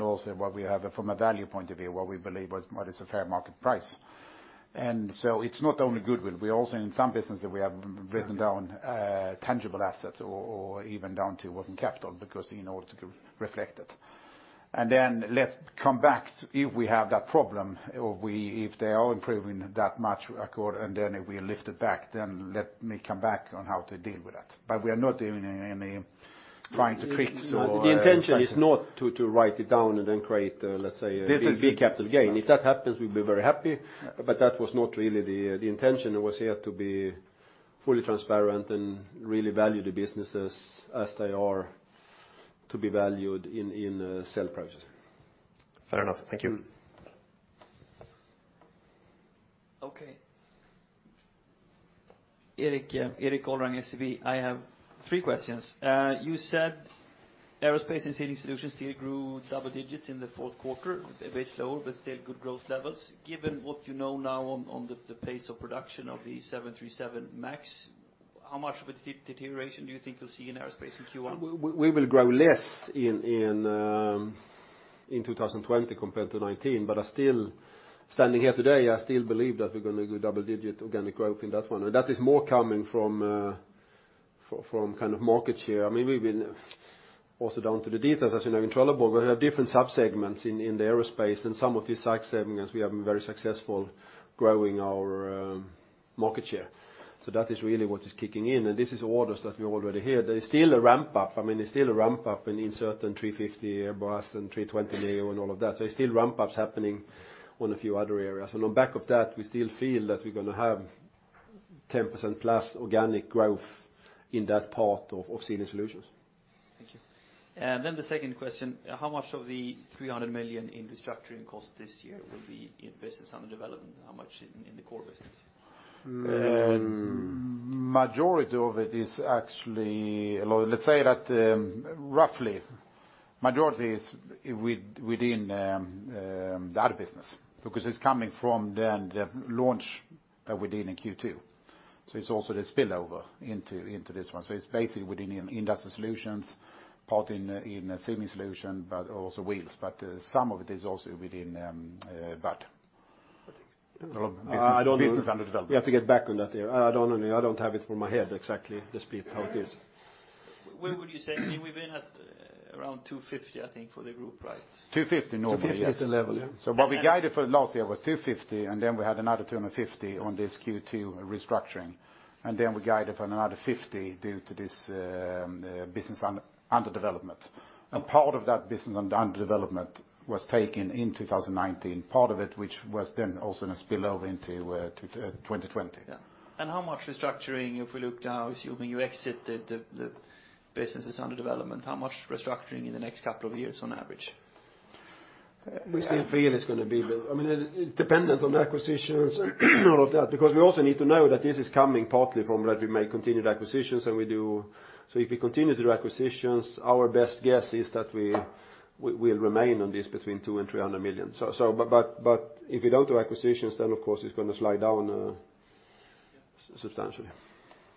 Speaker 3: also what we have from a value point of view, what we believe is a fair market price. It's not only goodwill. We also, in some businesses, we have written down tangible assets or even down to working capital because in order to reflect it. Let's come back if we have that problem or if they are improving that much accordingly, we lift it back, let me come back on how to deal with that. We are not doing any trying to tricks.
Speaker 2: The intention is not to write it down and then create, let's say.
Speaker 3: This is-
Speaker 2: A big capital gain. If that happens, we'd be very happy. That was not really the intention. It was here to be fully transparent and really value the businesses as they are to be valued in sell prices.
Speaker 6: Fair enough. Thank you.
Speaker 2: Okay.
Speaker 7: Erik Golrang, SEB. I have three questions. You said aerospace and Sealing Solutions still grew double digits in the fourth quarter, a bit slower, but still good growth levels. Given what you know now on the pace of production of the 737 MAX, how much of a deterioration do you think you'll see in aerospace in Q1?
Speaker 2: We will grow less in 2020 compared to 2019. Standing here today, I still believe that we're going to grow double-digit organic growth in that one. That is more coming from kind of market share. We've been also down to the details, as you know, in Trelleborg, we have different subsegments in the aerospace and some of these subsegments we have been very successful growing our market share. That is really what is kicking in, and this is orders that we already heard. There is still a ramp up. There is still a ramp up in certain A350 Airbus and A320neo and all of that. There's still ramp ups happening on a few other areas. On back of that, we still feel that we're going to have 10% plus organic growth in that part of Sealing Solutions.
Speaker 7: Thank you. The second question, how much of the 300 million in restructuring cost this year will be in business under development? How much in the core business?
Speaker 2: Let's say that roughly majority is within that business because it's coming from the launch within Q2. It's also the spillover into this one. It's basically within Industrial Solutions, part in Sealing Solutions, but also Wheels. Some of it is also within that.
Speaker 7: Business under development.
Speaker 2: We have to get back on that there. I don't know. I don't have it from my head exactly the split how it is.
Speaker 7: Where would you say? We've been at around 250, I think, for the group, right?
Speaker 2: 250 normally.
Speaker 3: 250 is the level, yeah.
Speaker 2: What we guided for last year was 250, and then we had another 250 on this Q2 restructuring, and then we guided for another 50 due to this business under development. A part of that business under development was taken in 2019, part of it, which was then also going to spill over into 2020.
Speaker 7: Yeah. How much restructuring if we look now, assuming you exit the businesses under development, how much restructuring in the next couple of years on average?
Speaker 2: It dependent on acquisitions and all of that, because we also need to know that this is coming partly from that we make continued acquisitions than we do. If we continue to do acquisitions, our best guess is that we'll remain on this between two and 300 million. If we don't do acquisitions, then of course it's going to slide down substantially.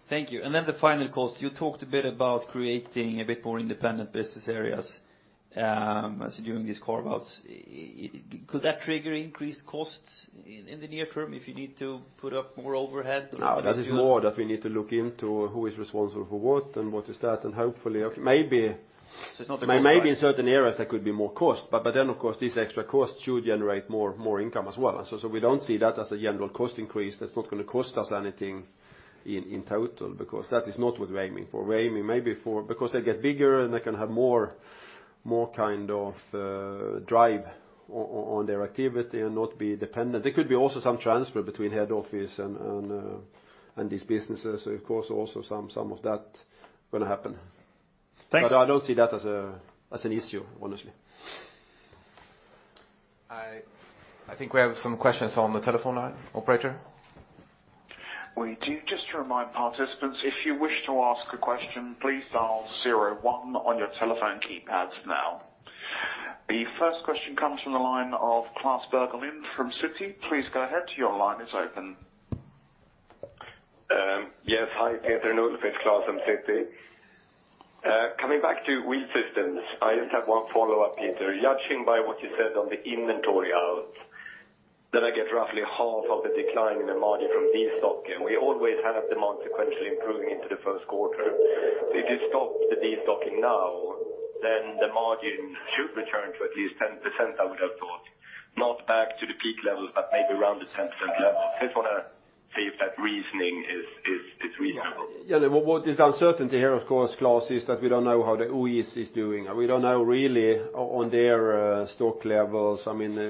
Speaker 7: Thank you. The final cost. You talked a bit about creating a bit more independent business areas as you're doing these carve-outs. Could that trigger increased costs in the near term if you need to put up more overhead?
Speaker 2: No, that is more that we need to look into who is responsible for what and what is that, and hopefully, maybe.
Speaker 7: It's not a cost play.
Speaker 2: Maybe in certain areas there could be more cost. Of course, these extra costs should generate more income as well. We don't see that as a general cost increase. That's not going to cost us anything in total, because that is not what we're aiming for. We're aiming maybe for, because they'll get bigger and they can have more kind of drive on their activity and not be dependent. There could be also some transfer between head office and these businesses. Of course, also some of that going to happen.
Speaker 7: Thanks.
Speaker 2: I don't see that as an issue, honestly.
Speaker 4: I think we have some questions on the telephone now. Operator?
Speaker 8: We do. Just to remind participants, if you wish to ask a question, please dial 01 on your telephone keypads now. The first question comes from the line of Klas Bergelind from Citi. Please go ahead. Your line is open.
Speaker 9: Yes. Hi, Peter and Ulf. It's Klas from Citi. Coming back to Wheel Systems, I just have one follow-up, Peter. Judging by what you said on the inventory out, I get roughly half of the decline in the margin from destocking. We always have the month sequentially improving into Q1. If you stop the destocking now, then the margin should return to at least 10%, I would have thought. Not back to the peak levels, maybe around the 10% level. I just want to see if that reasoning is reasonable.
Speaker 2: What is the uncertainty here, of course, Klas, is that we don't know how the OE is doing. We don't know really on their stock levels.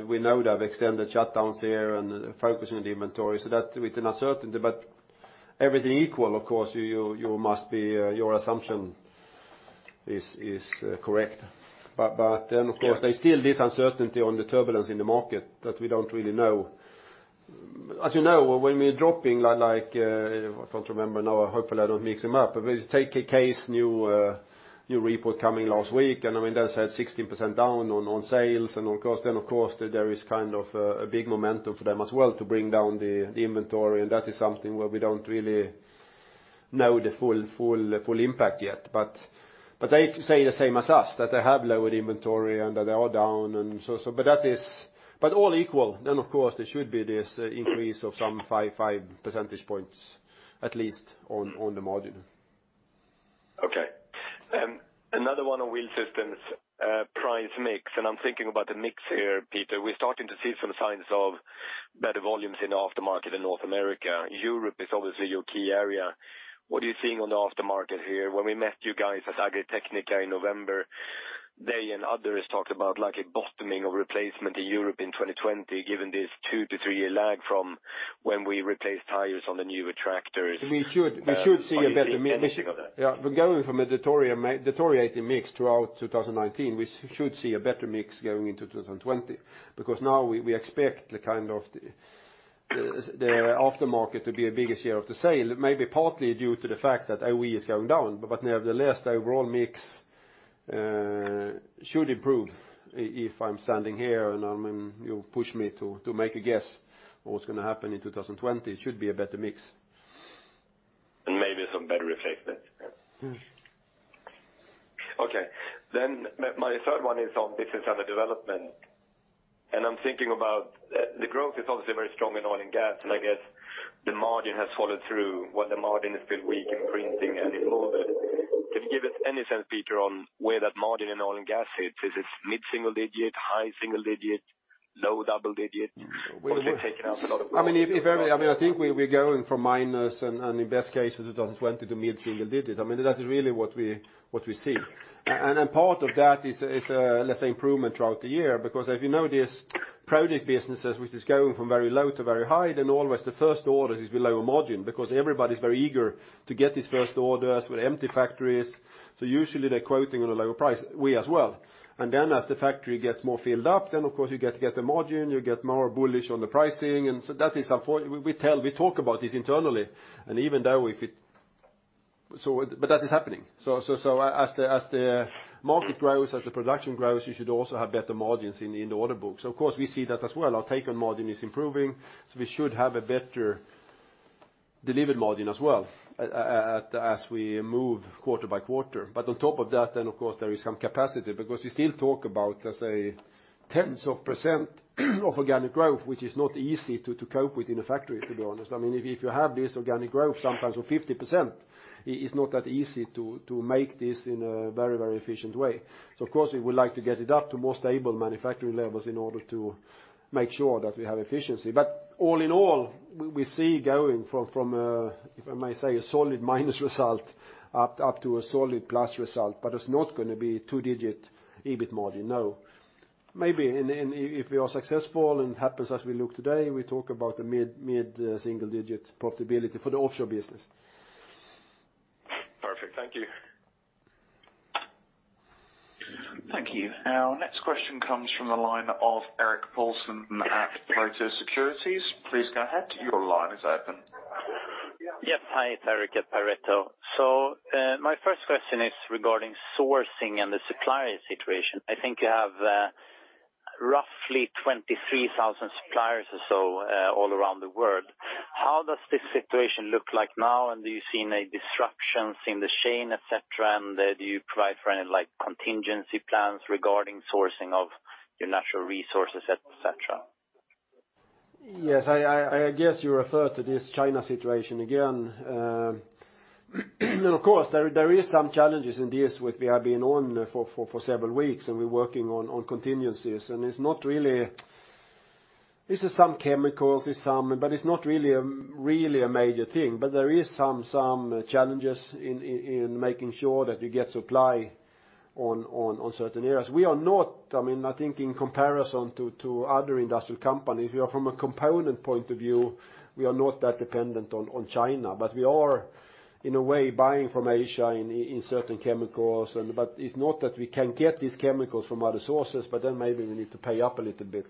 Speaker 2: We know they've extended shutdowns here and focusing on the inventory. That it's an uncertainty. Everything equal, of course, your assumption is correct. Of course, there's still this uncertainty on the turbulence in the market that we don't really know. As you know, when we're dropping like, I can't remember now, hopefully I don't mix them up. We take a case, new report coming last week, and they said 16% down on sales and all. Of course, there is a big momentum for them as well to bring down the inventory, and that is something where we don't really know the full impact yet. They say the same as us, that they have lowered inventory and that they are down and so on. All equal, of course there should be this increase of some five percentage points, at least on the margin.
Speaker 9: Another one on Wheel Systems. Price mix, and I'm thinking about the mix here, Peter. We're starting to see some signs of better volumes in the aftermarket in North America. Europe is obviously your key area. What are you seeing on the aftermarket here? When we met you guys at Agritechnica in November, they and others talked about like a bottoming of replacement in Europe in 2020, given this two to three-year lag from when we replaced tires on the newer tractors.
Speaker 2: We should see a better mix.
Speaker 9: What are you seeing of that?
Speaker 2: Yeah. We're going from a deteriorating mix throughout 2019. We should see a better mix going into 2020, because now we expect the kind of the aftermarket to be a bigger share of the sale, maybe partly due to the fact that OE is going down. Nevertheless, the overall mix should improve if I'm standing here and you push me to make a guess what's going to happen in 2020. It should be a better mix.
Speaker 9: Maybe some better replacement.
Speaker 2: Yeah.
Speaker 9: Okay. My third one is on business under development. I'm thinking about the growth is obviously very strong in oil and gas, and I guess the margin has followed through what the margin has been weak in printing and in molded. Can you give us any sense, Peter, on where that margin in oil and gas hits? Is it mid-single digit, high single digit, low double digit? Has it taken up a lot of?
Speaker 2: I think we're going from minus and in best case in 2020 to mid-single digit. That is really what we see. Part of that is let's say improvement throughout the year because if you know this product businesses which is going from very low to very high, then always the first orders is below margin because everybody's very eager to get these first orders with empty factories. Usually they're quoting on a lower price, we as well. As the factory gets more filled up, then of course you get the margin, you get more bullish on the pricing. We talk about this internally. That is happening. As the market grows, as the production grows, you should also have better margins in the order books. Of course, we see that as well. Our taken margin is improving. We should have a better delivered margin as well as we move quarter by quarter. On top of that, of course there is some capacity because we still talk about, let's say tenths of percent of organic growth, which is not easy to cope with in a factory, to be honest. If you have this organic growth sometimes of 50%, it's not that easy to make this in a very efficient way. Of course, we would like to get it up to more stable manufacturing levels in order to make sure that we have efficiency. All in all, we see going from a, if I may say, a solid minus result up to a solid plus result, but it's not going to be two-digit EBIT margin, no. Maybe. If we are successful and it happens as we look today, we talk about the mid-single-digit profitability for the offshore business.
Speaker 9: Perfect. Thank you.
Speaker 8: Thank you. Our next question comes from the line of Erik Paulsson at Pareto Securities. Please go ahead, your line is open.
Speaker 10: Yes. Hi, Erik at Pareto Securities. My first question is regarding sourcing and the supplier situation. I think you have roughly 23,000 suppliers or so all around the world. How does this situation look like now, and do you see any disruptions in the chain, et cetera, and do you provide for any contingency plans regarding sourcing of your natural resources, et cetera?
Speaker 2: Yes. I guess you refer to this China situation again. Of course, there are some challenges in this, which we have been on for several weeks, and we're working on contingencies. This is some chemicals, but it's not really a major thing. There are some challenges in making sure that we get supply in certain areas. I think in comparison to other industrial companies, from a component point of view, we are not that dependent on China. We are, in a way, buying from Asia in certain chemicals. It's not that we can't get these chemicals from other sources, but then maybe we need to pay up a little bit.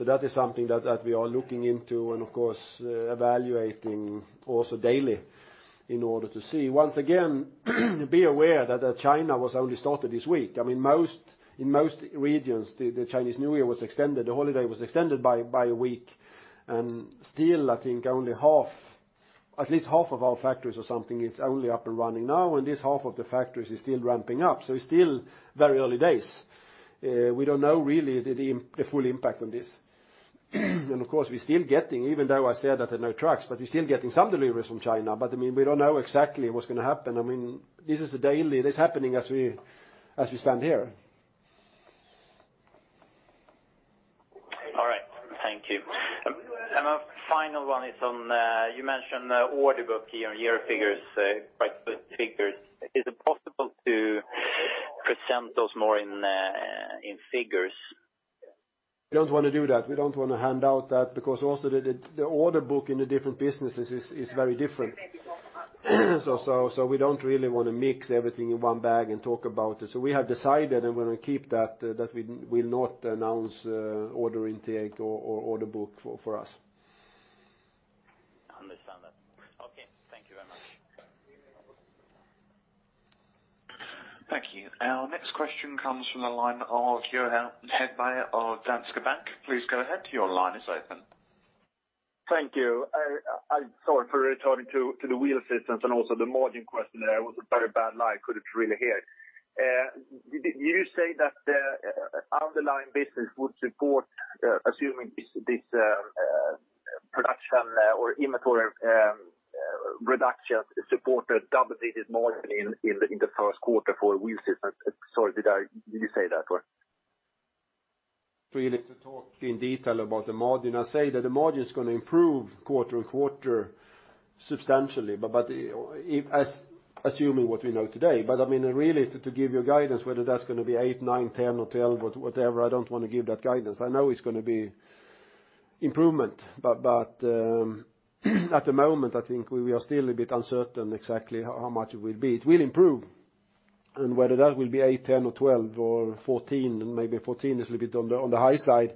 Speaker 2: That is something that we are looking into and, of course, evaluating also daily in order to see. Once again, be aware that China was only started this week. In most regions, the Chinese New Year was extended, the holiday was extended by a week. Still, I think at least half of our factories or something is only up and running now, and this half of the factories is still ramping up. It's still very early days. We don't know really the full impact on this. Of course, we're still getting, even though I said that there are no trucks, but we're still getting some deliveries from China. We don't know exactly what's going to happen. This is happening as we stand here.
Speaker 10: All right. Thank you. My final one is, you mentioned the order book here on your figures. Is it possible to present those more in figures?
Speaker 2: We don't want to do that. We don't want to hand out that because also the order book in the different businesses is very different. We don't really want to mix everything in one bag and talk about it. We have decided and we're going to keep that we will not announce order intake or order book for us.
Speaker 10: Understand that. Okay. Thank you very much.
Speaker 8: Thank you. Our next question comes from the line of Johan Hedbjer of Danske Bank. Please go ahead, your line is open.
Speaker 11: Thank you. Sorry for returning to the wheel systems and also the margin question there. It was a very bad line, couldn't really hear. Did you say that the underlying business would support, assuming this production or inventory reduction support a double-digit margin in Q1 for wheel systems? Sorry, did you say that or?
Speaker 2: Really to talk in detail about the margin, I say that the margin is going to improve quarter on quarter substantially, assuming what we know today. Really, to give you a guidance whether that's going to be eight, nine, 10 or 12, whatever, I don't want to give that guidance. I know it's going to be improvement. At the moment, I think we are still a bit uncertain exactly how much it will be. It will improve, whether that will be eight, 10 or 12 or 14, and maybe 14 is a little bit on the high side.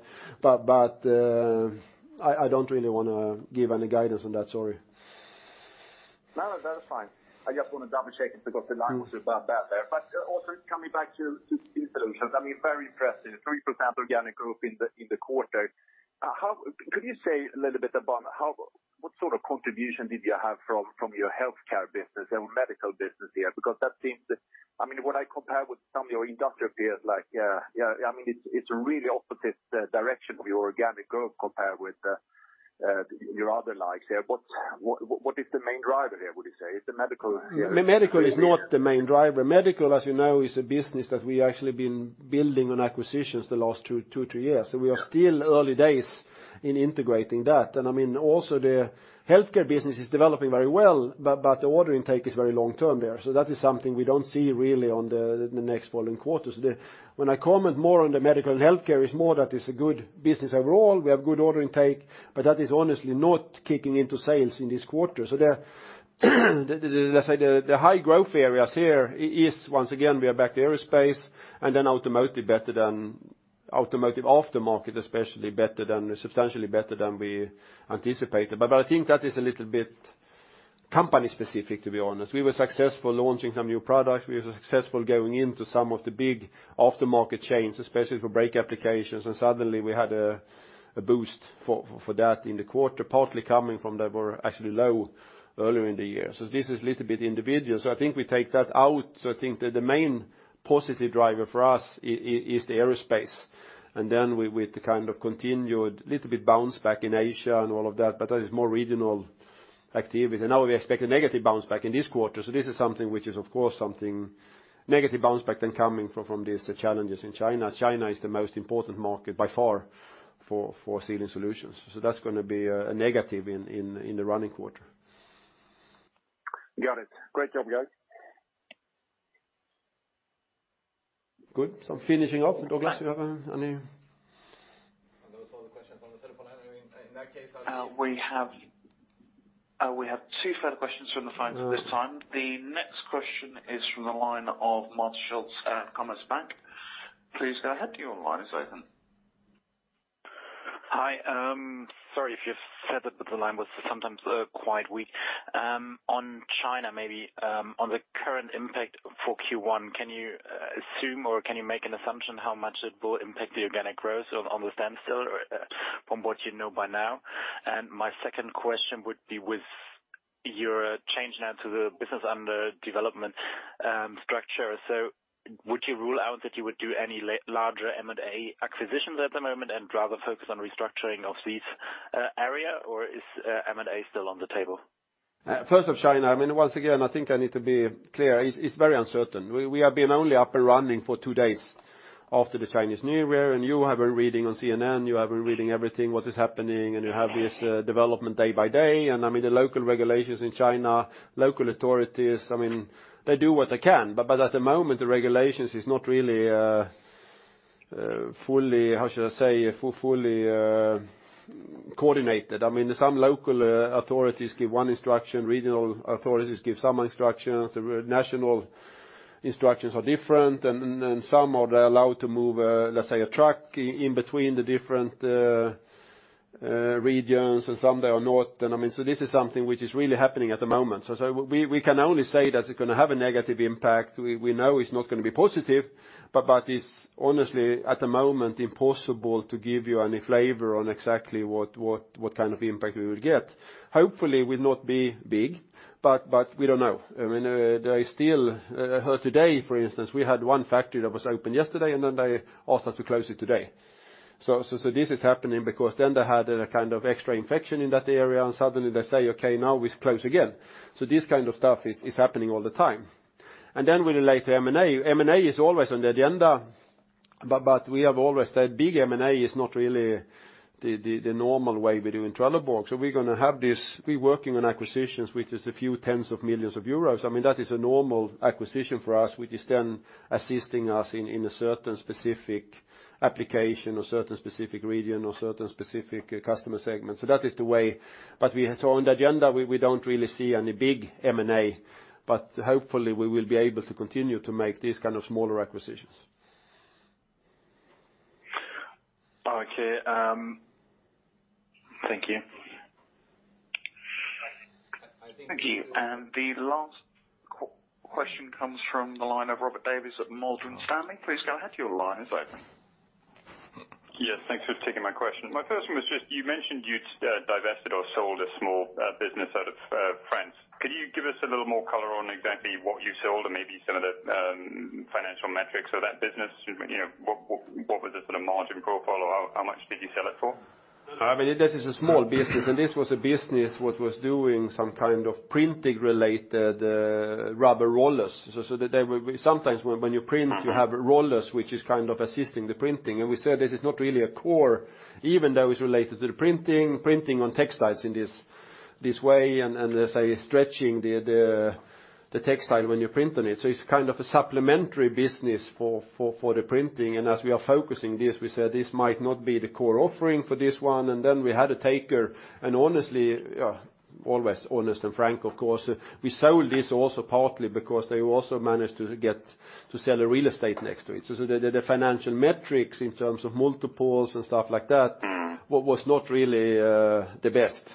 Speaker 2: I don't really want to give any guidance on that. Sorry.
Speaker 11: No, that's fine. I just want to double-check because the line was a bit bad there. Also coming back to Sealing Solutions, very impressive, 3% organic growth in the quarter. Could you say a little bit about what sort of contribution did you have from your healthcare business or medical business here? That seems, when I compare with some of your industrial peers, it's really opposite direction of your organic growth compared with your other likes here. What is the main driver there, would you say? Is it medical?
Speaker 2: Medical is not the main driver. Medical, as you know, is a business that we actually been building on acquisitions the last two, three years.
Speaker 11: Yeah.
Speaker 2: We are still early days in integrating that. Also the healthcare business is developing very well, but the order intake is very long-term there. That is something we don't see really on the next following quarters. When I comment more on the medical and healthcare, it's more that it's a good business overall. We have good order intake, but that is honestly not kicking into sales in this quarter. Let's say the high growth areas here is, once again, we are back to aerospace and then automotive better than automotive aftermarket, especially substantially better than we anticipated. I think that is a little bit company specific, to be honest. We were successful launching some new products. We were successful going into some of the big aftermarket chains, especially for brake applications. Suddenly we had a boost for that in the quarter, partly coming from they were actually low earlier in the year. This is a little bit individual. I think we take that out. I think that the main positive driver for us is the aerospace, and then with the kind of continued little bit bounce back in Asia and all of that, but that is more regional activity. We expect a negative bounce back in this quarter. This is something which is, of course, something negative bounce back then coming from these challenges in China. China is the most important market by far for Sealing Solutions. That's going to be a negative in the running quarter.
Speaker 11: Got it. Great job, guys.
Speaker 2: Good. I'm finishing off. Douglas, do you have any?
Speaker 8: Are those all the questions on the telephone line? In that case We have two further questions from the phones at this time. The next question is from the line of Martin Schulz at Commerzbank. Please go ahead. Your line is open.
Speaker 12: Hi, sorry if you've said it, but the line was sometimes quite weak. On China maybe, on the current impact for Q1, can you assume or can you make an assumption how much it will impact the organic growth on the standstill from what you know by now? My second question would be with your change now to the business under development structure. Would you rule out that you would do any larger M&A acquisitions at the moment and rather focus on restructuring of these area or is M&A still on the table?
Speaker 2: First off, China, once again, I think I need to be clear. It's very uncertain. We have been only up and running for two days after the Chinese New Year. You have been reading on CNN, you have been reading everything what is happening, and you have this development day by day. The local regulations in China, local authorities, they do what they can. At the moment, the regulations is not really fully, how should I say, fully coordinated. Some local authorities give one instruction, regional authorities give some instructions, the national instructions are different. Some are allowed to move, let's say, a truck in between the different regions and some they are not. This is something which is really happening at the moment. We can only say that it's going to have a negative impact. We know it's not going to be positive. It's honestly at the moment impossible to give you any flavor on exactly what kind of impact we will get. Hopefully will not be big. We don't know. I still heard today, for instance, we had one factory that was open yesterday, then they asked us to close it today. This is happening because they had a kind of extra infection in that area suddenly they say, "Okay, now we close again." This kind of stuff is happening all the time. Related to M&A, M&A is always on the agenda. We have always said big M&A is not really the normal way we do in Trelleborg. We're going to have this, we're working on acquisitions which is a few tens of millions of EUR. That is a normal acquisition for us, which is then assisting us in a certain specific application or certain specific region or certain specific customer segment. That is the way. On the agenda, we don't really see any big M&A, but hopefully we will be able to continue to make these kind of smaller acquisitions.
Speaker 12: Okay. Thank you.
Speaker 8: Thank you. The last question comes from the line of Robert Davies at Morgan Stanley. Please go ahead. Your line is open.
Speaker 13: Yes, thanks for taking my question. My first one was just you mentioned you'd divested or sold a small business out of France. Could you give us a little more color on exactly what you sold and maybe some of the financial metrics of that business? What was the sort of margin profile or how much did you sell it for?
Speaker 2: This is a small business. This was a business what was doing some kind of printing related rubber rollers. Sometimes when you print, you have rollers, which is kind of assisting the printing. We said this is not really a core, even though it's related to the printing on textiles in this way and, let's say, stretching the textile when you're printing it. It's kind of a supplementary business for the printing. As we are focusing this, we said this might not be the core offering for this one. Then we had a taker, and honestly, always honest and frank, of course, we sold this also partly because they also managed to sell real estate next to it. The financial metrics in terms of multiples and stuff like that, what was not really the best.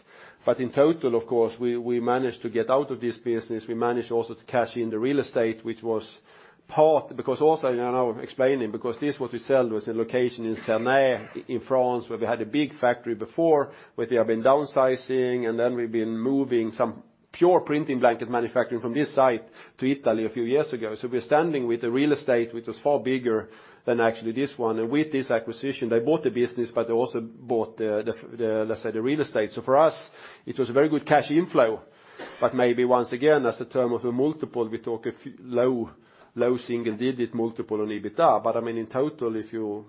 Speaker 2: In total, of course, we managed to get out of this business. We managed also to cash in the real estate, which was part because also now explaining, because this what we sell was a location in Cernay in France, where we had a big factory before, where we have been downsizing, and then we've been moving some pure printing blanket manufacturing from this site to Italy a few years ago. We're standing with the real estate, which was far bigger than actually this one. With this acquisition, they bought the business, but they also bought the real estate. For us, it was a very good cash inflow. Maybe once again, as a term of a multiple, we talk a low single-digit multiple on EBITDA. In total, if you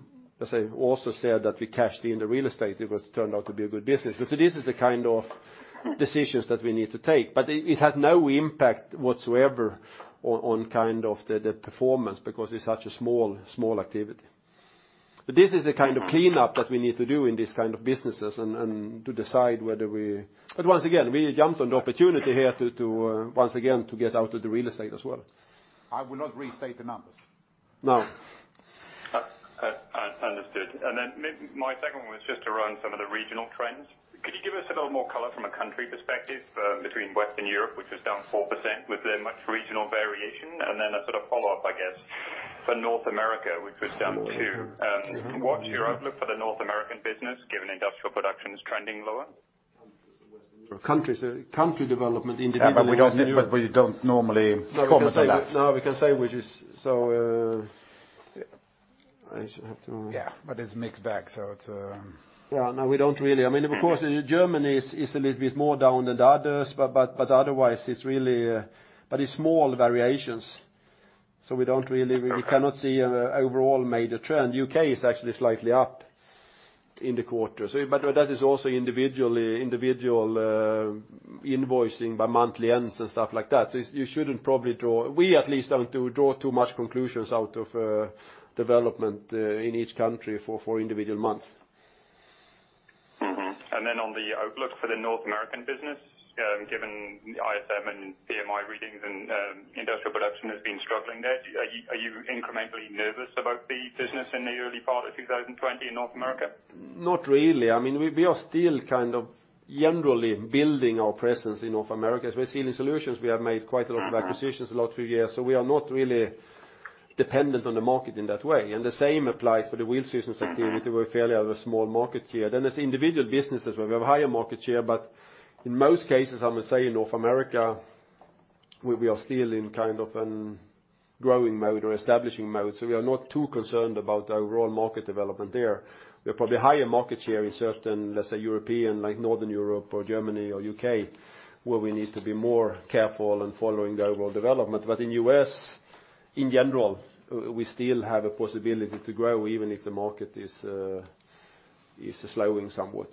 Speaker 2: also said that we cashed in the real estate, it turned out to be a good business. This is the kind of decisions that we need to take. It had no impact whatsoever on kind of the performance because it's such a small activity. This is the kind of cleanup that we need to do in this kind of businesses and to decide whether we. Once again, we jumped on the opportunity here to get out of the real estate as well. I will not restate the numbers. No.
Speaker 13: Understood. My second one was just around some of the regional trends. Could you give us a little more color from a country perspective between Western Europe, which was down 4%, was there much regional variation? A sort of follow-up, I guess, for North America, which was down 2%. What's your outlook for the North American business, given industrial production is trending lower?
Speaker 2: We don't normally comment on that. We don't really. Of course, Germany is a little bit more down than the others, but otherwise it's small variations, so we cannot see an overall major trend. U.K. is actually slightly up in the quarter. That is also individual invoicing by monthly ends and stuff like that. We at least don't draw too much conclusions out of development in each country for individual months.
Speaker 13: On the outlook for the North American business, given the ISM and PMI readings and industrial production has been struggling there, are you incrementally nervous about the business in the early part of 2020 in North America?
Speaker 2: Not really. We are still generally building our presence in North America. As Sealing Solutions, we have made quite a lot of acquisitions the last few years. We are not really dependent on the market in that way. The same applies for the Wheel Systems activity. We're fairly have a small market share. There's individual businesses where we have higher market share, but in most cases, I would say in North America, we are still in kind of a growing mode or establishing mode. We are not too concerned about the overall market development there. We have probably higher market share in certain, let's say European, like Northern Europe or Germany or U.K., where we need to be more careful in following the overall development. In U.S., in general, we still have a possibility to grow even if the market is slowing somewhat.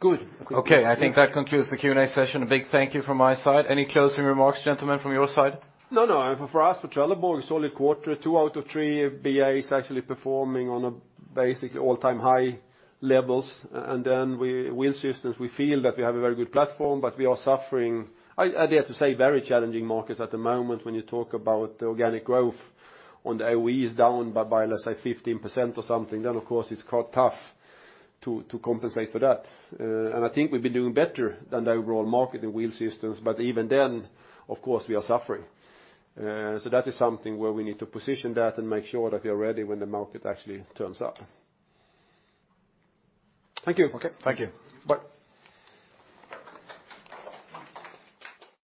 Speaker 4: Good. Okay. I think that concludes the Q&A session. A big thank you from my side. Any closing remarks, gentlemen, from your side?
Speaker 2: No. For us, for Trelleborg, solid quarter. Two out of three BAs actually performing on a basically all-time high levels. Wheel Systems, we feel that we have a very good platform, but we are suffering, I dare to say, very challenging markets at the moment when you talk about organic growth on the OE is down by, let's say 15% or something. Of course, it's quite tough to compensate for that. I think we've been doing better than the overall market in Wheel Systems, even then, of course, we are suffering. That is something where we need to position that and make sure that we are ready when the market actually turns up. Thank you.
Speaker 4: Okay. Thank you.
Speaker 2: Bye.